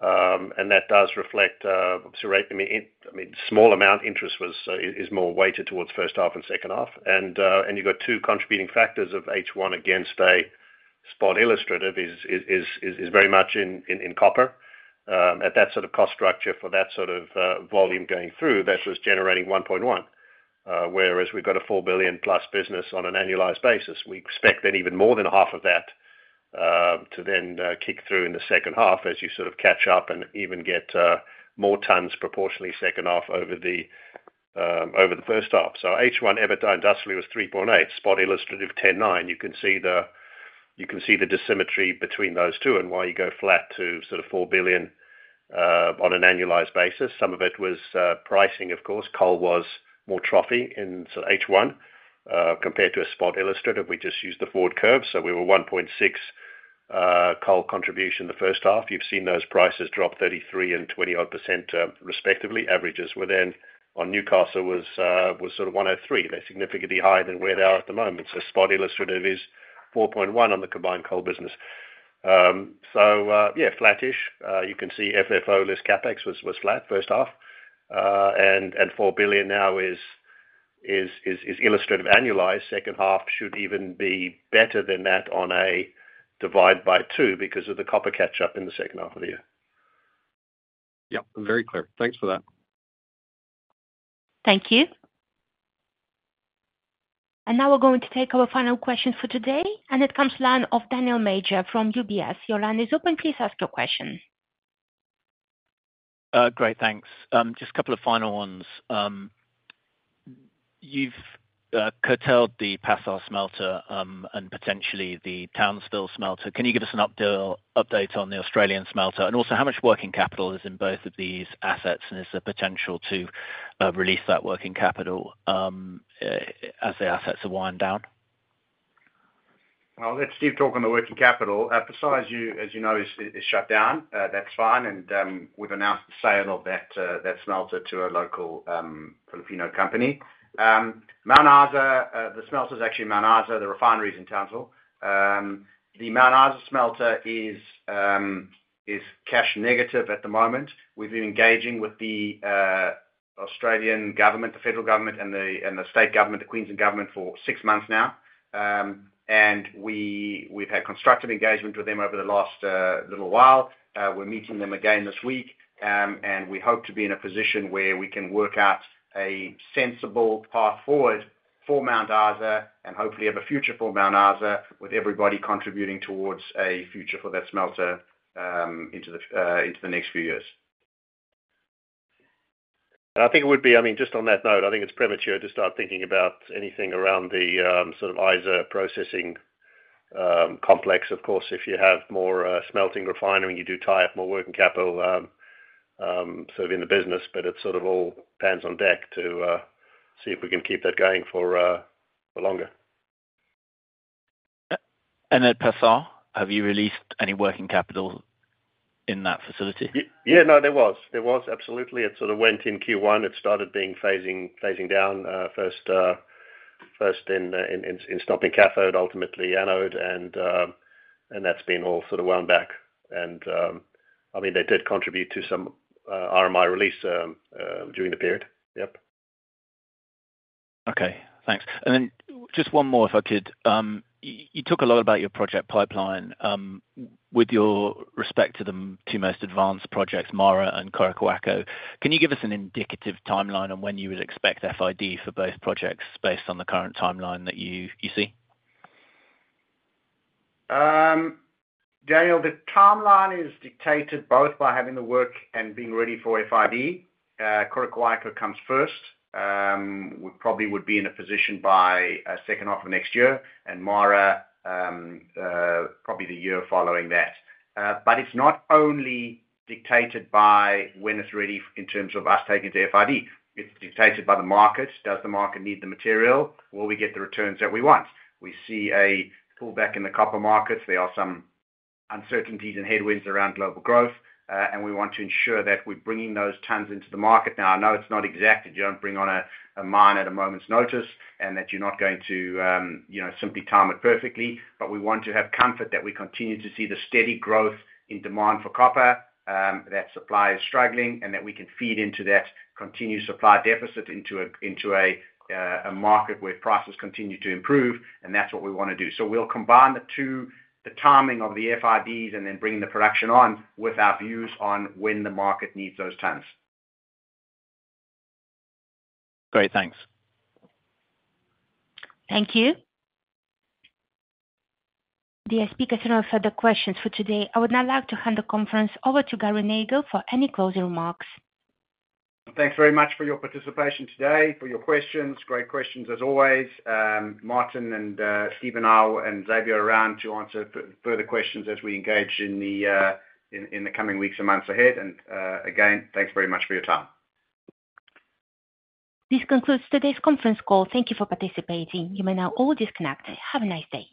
That does reflect a small amount. Interest is more weighted towards first half and second half. You've got two contributing factors of H1 against a spot illustrative is very much in copper. At that sort of cost structure for that sort of volume going through, that was generating $1.1 billion. Whereas we've got a $4 billion+ business on an annualized basis. We expect that even more than half of that to then kick through in the second half as you sort of catch up and even get more tons proportionately second half over the first half. H1 EBITDA industrially was $3.8 billion. Spot illustrative $10.9 billion. You can see the dissymmetry between those two and why you go flat to sort of $4 billion on an annualized basis. Some of it was pricing, of course. Coal was more trophy in H1 compared to a spot illustrative. We just used the forward curve. We were $1.6 billion coal contribution in the first half. You've seen those prices drop 33% and 20% respectively. Averages were then on Newcastle was $103. That's significantly higher than where they are at the moment. Spot illustrative is $4.1 billion on the combined coal business. Flattish. You can see FFO less CapEx was flat first half. $4 billion now is illustrative annualized. Second half should even be better than that on a divide by two because of the copper catch-up in the second half of the year. Yep. Very clear. Thanks for that. Thank you. We are going to take our final question for today. It comes to the line of Daniel Major from UBS. Your line is open. Please ask your question. Great, thanks. Just a couple of final ones. You've curtailed the PASAR smelter and potentially the Townsville smelter. Can you give us an update on the Australian smelter? Also, how much working capital is in both of these assets, and is there potential to release that working capital as the assets are wind down? I'll let Steve talk on the working capital. PASAR, as you know, is shut down. That's fine. We've announced the sale of that smelter to a local Filipino company. The smelter is actually Mount Isa, the refinery is in Townsville. The Mount Isa smelter is cash negative at the moment. We've been engaging with the Australian government, the federal government, and the state government, the Queensland government, for six months now. We've had constructive engagement with them over the last little while. We're meeting them again this week. We hope to be in a position where we can work out a sensible path forward for Mount Isa and hopefully have a future for Mount Isa with everybody contributing towards a future for that smelter into the next few years. I think it would be, just on that note, I think it's premature to start thinking about anything around the sort of ISA processing complex. Of course, if you have more smelting refinery, you do tie up more working capital in the business, but it's all hands on deck to see if we can keep that going for longer. At PASAR, have you released any working capital in that facility? Yeah, no, there was. There was absolutely. It sort of went in Q1. It started phasing down first in stopping cathode, ultimately anode. That's been all sort of wound back. I mean, that did contribute to some RMI release during the period. Yep. Okay. Thanks. Just one more, if I could. You talk a lot about your project pipeline with respect to the two most advanced projects, MARA and El Pachón. Can you give us an indicative timeline on when you would expect FID for both projects based on the current timeline that you see? Daniel, the timeline is dictated both by having the work and being ready for FID. Koniambo comes first. We probably would be in a position by the second half of next year and MARA probably the year following that. It's not only dictated by when it's ready in terms of us taking to FID. It's dictated by the market. Does the market need the material? Will we get the returns that we want? We see a pullback in the copper markets. There are some uncertainties and headwinds around global growth. We want to ensure that we're bringing those tons into the market. I know it's not exact that you don't bring on a mine at a moment's notice and that you're not going to simply time it perfectly. We want to have comfort that we continue to see the steady growth in demand for copper, that supply is struggling, and that we can feed into that continued supply deficit into a market where prices continue to improve. That's what we want to do. We'll combine the two, the timing of the FIDs and then bringing the production on with our views on when the market needs those tons. Great. Thanks. Thank you. The speakers are no further questions for today. I would now like to hand the conference over to Gary Nagle for any closing remarks. Thanks very much for your participation today, for your questions. Great questions as always. Martin, Steven, I, and Xavier are around to answer further questions as we engage in the coming weeks and months ahead. Thanks very much for your time. This concludes today's conference call. Thank you for participating. You may now all disconnect. Have a nice day.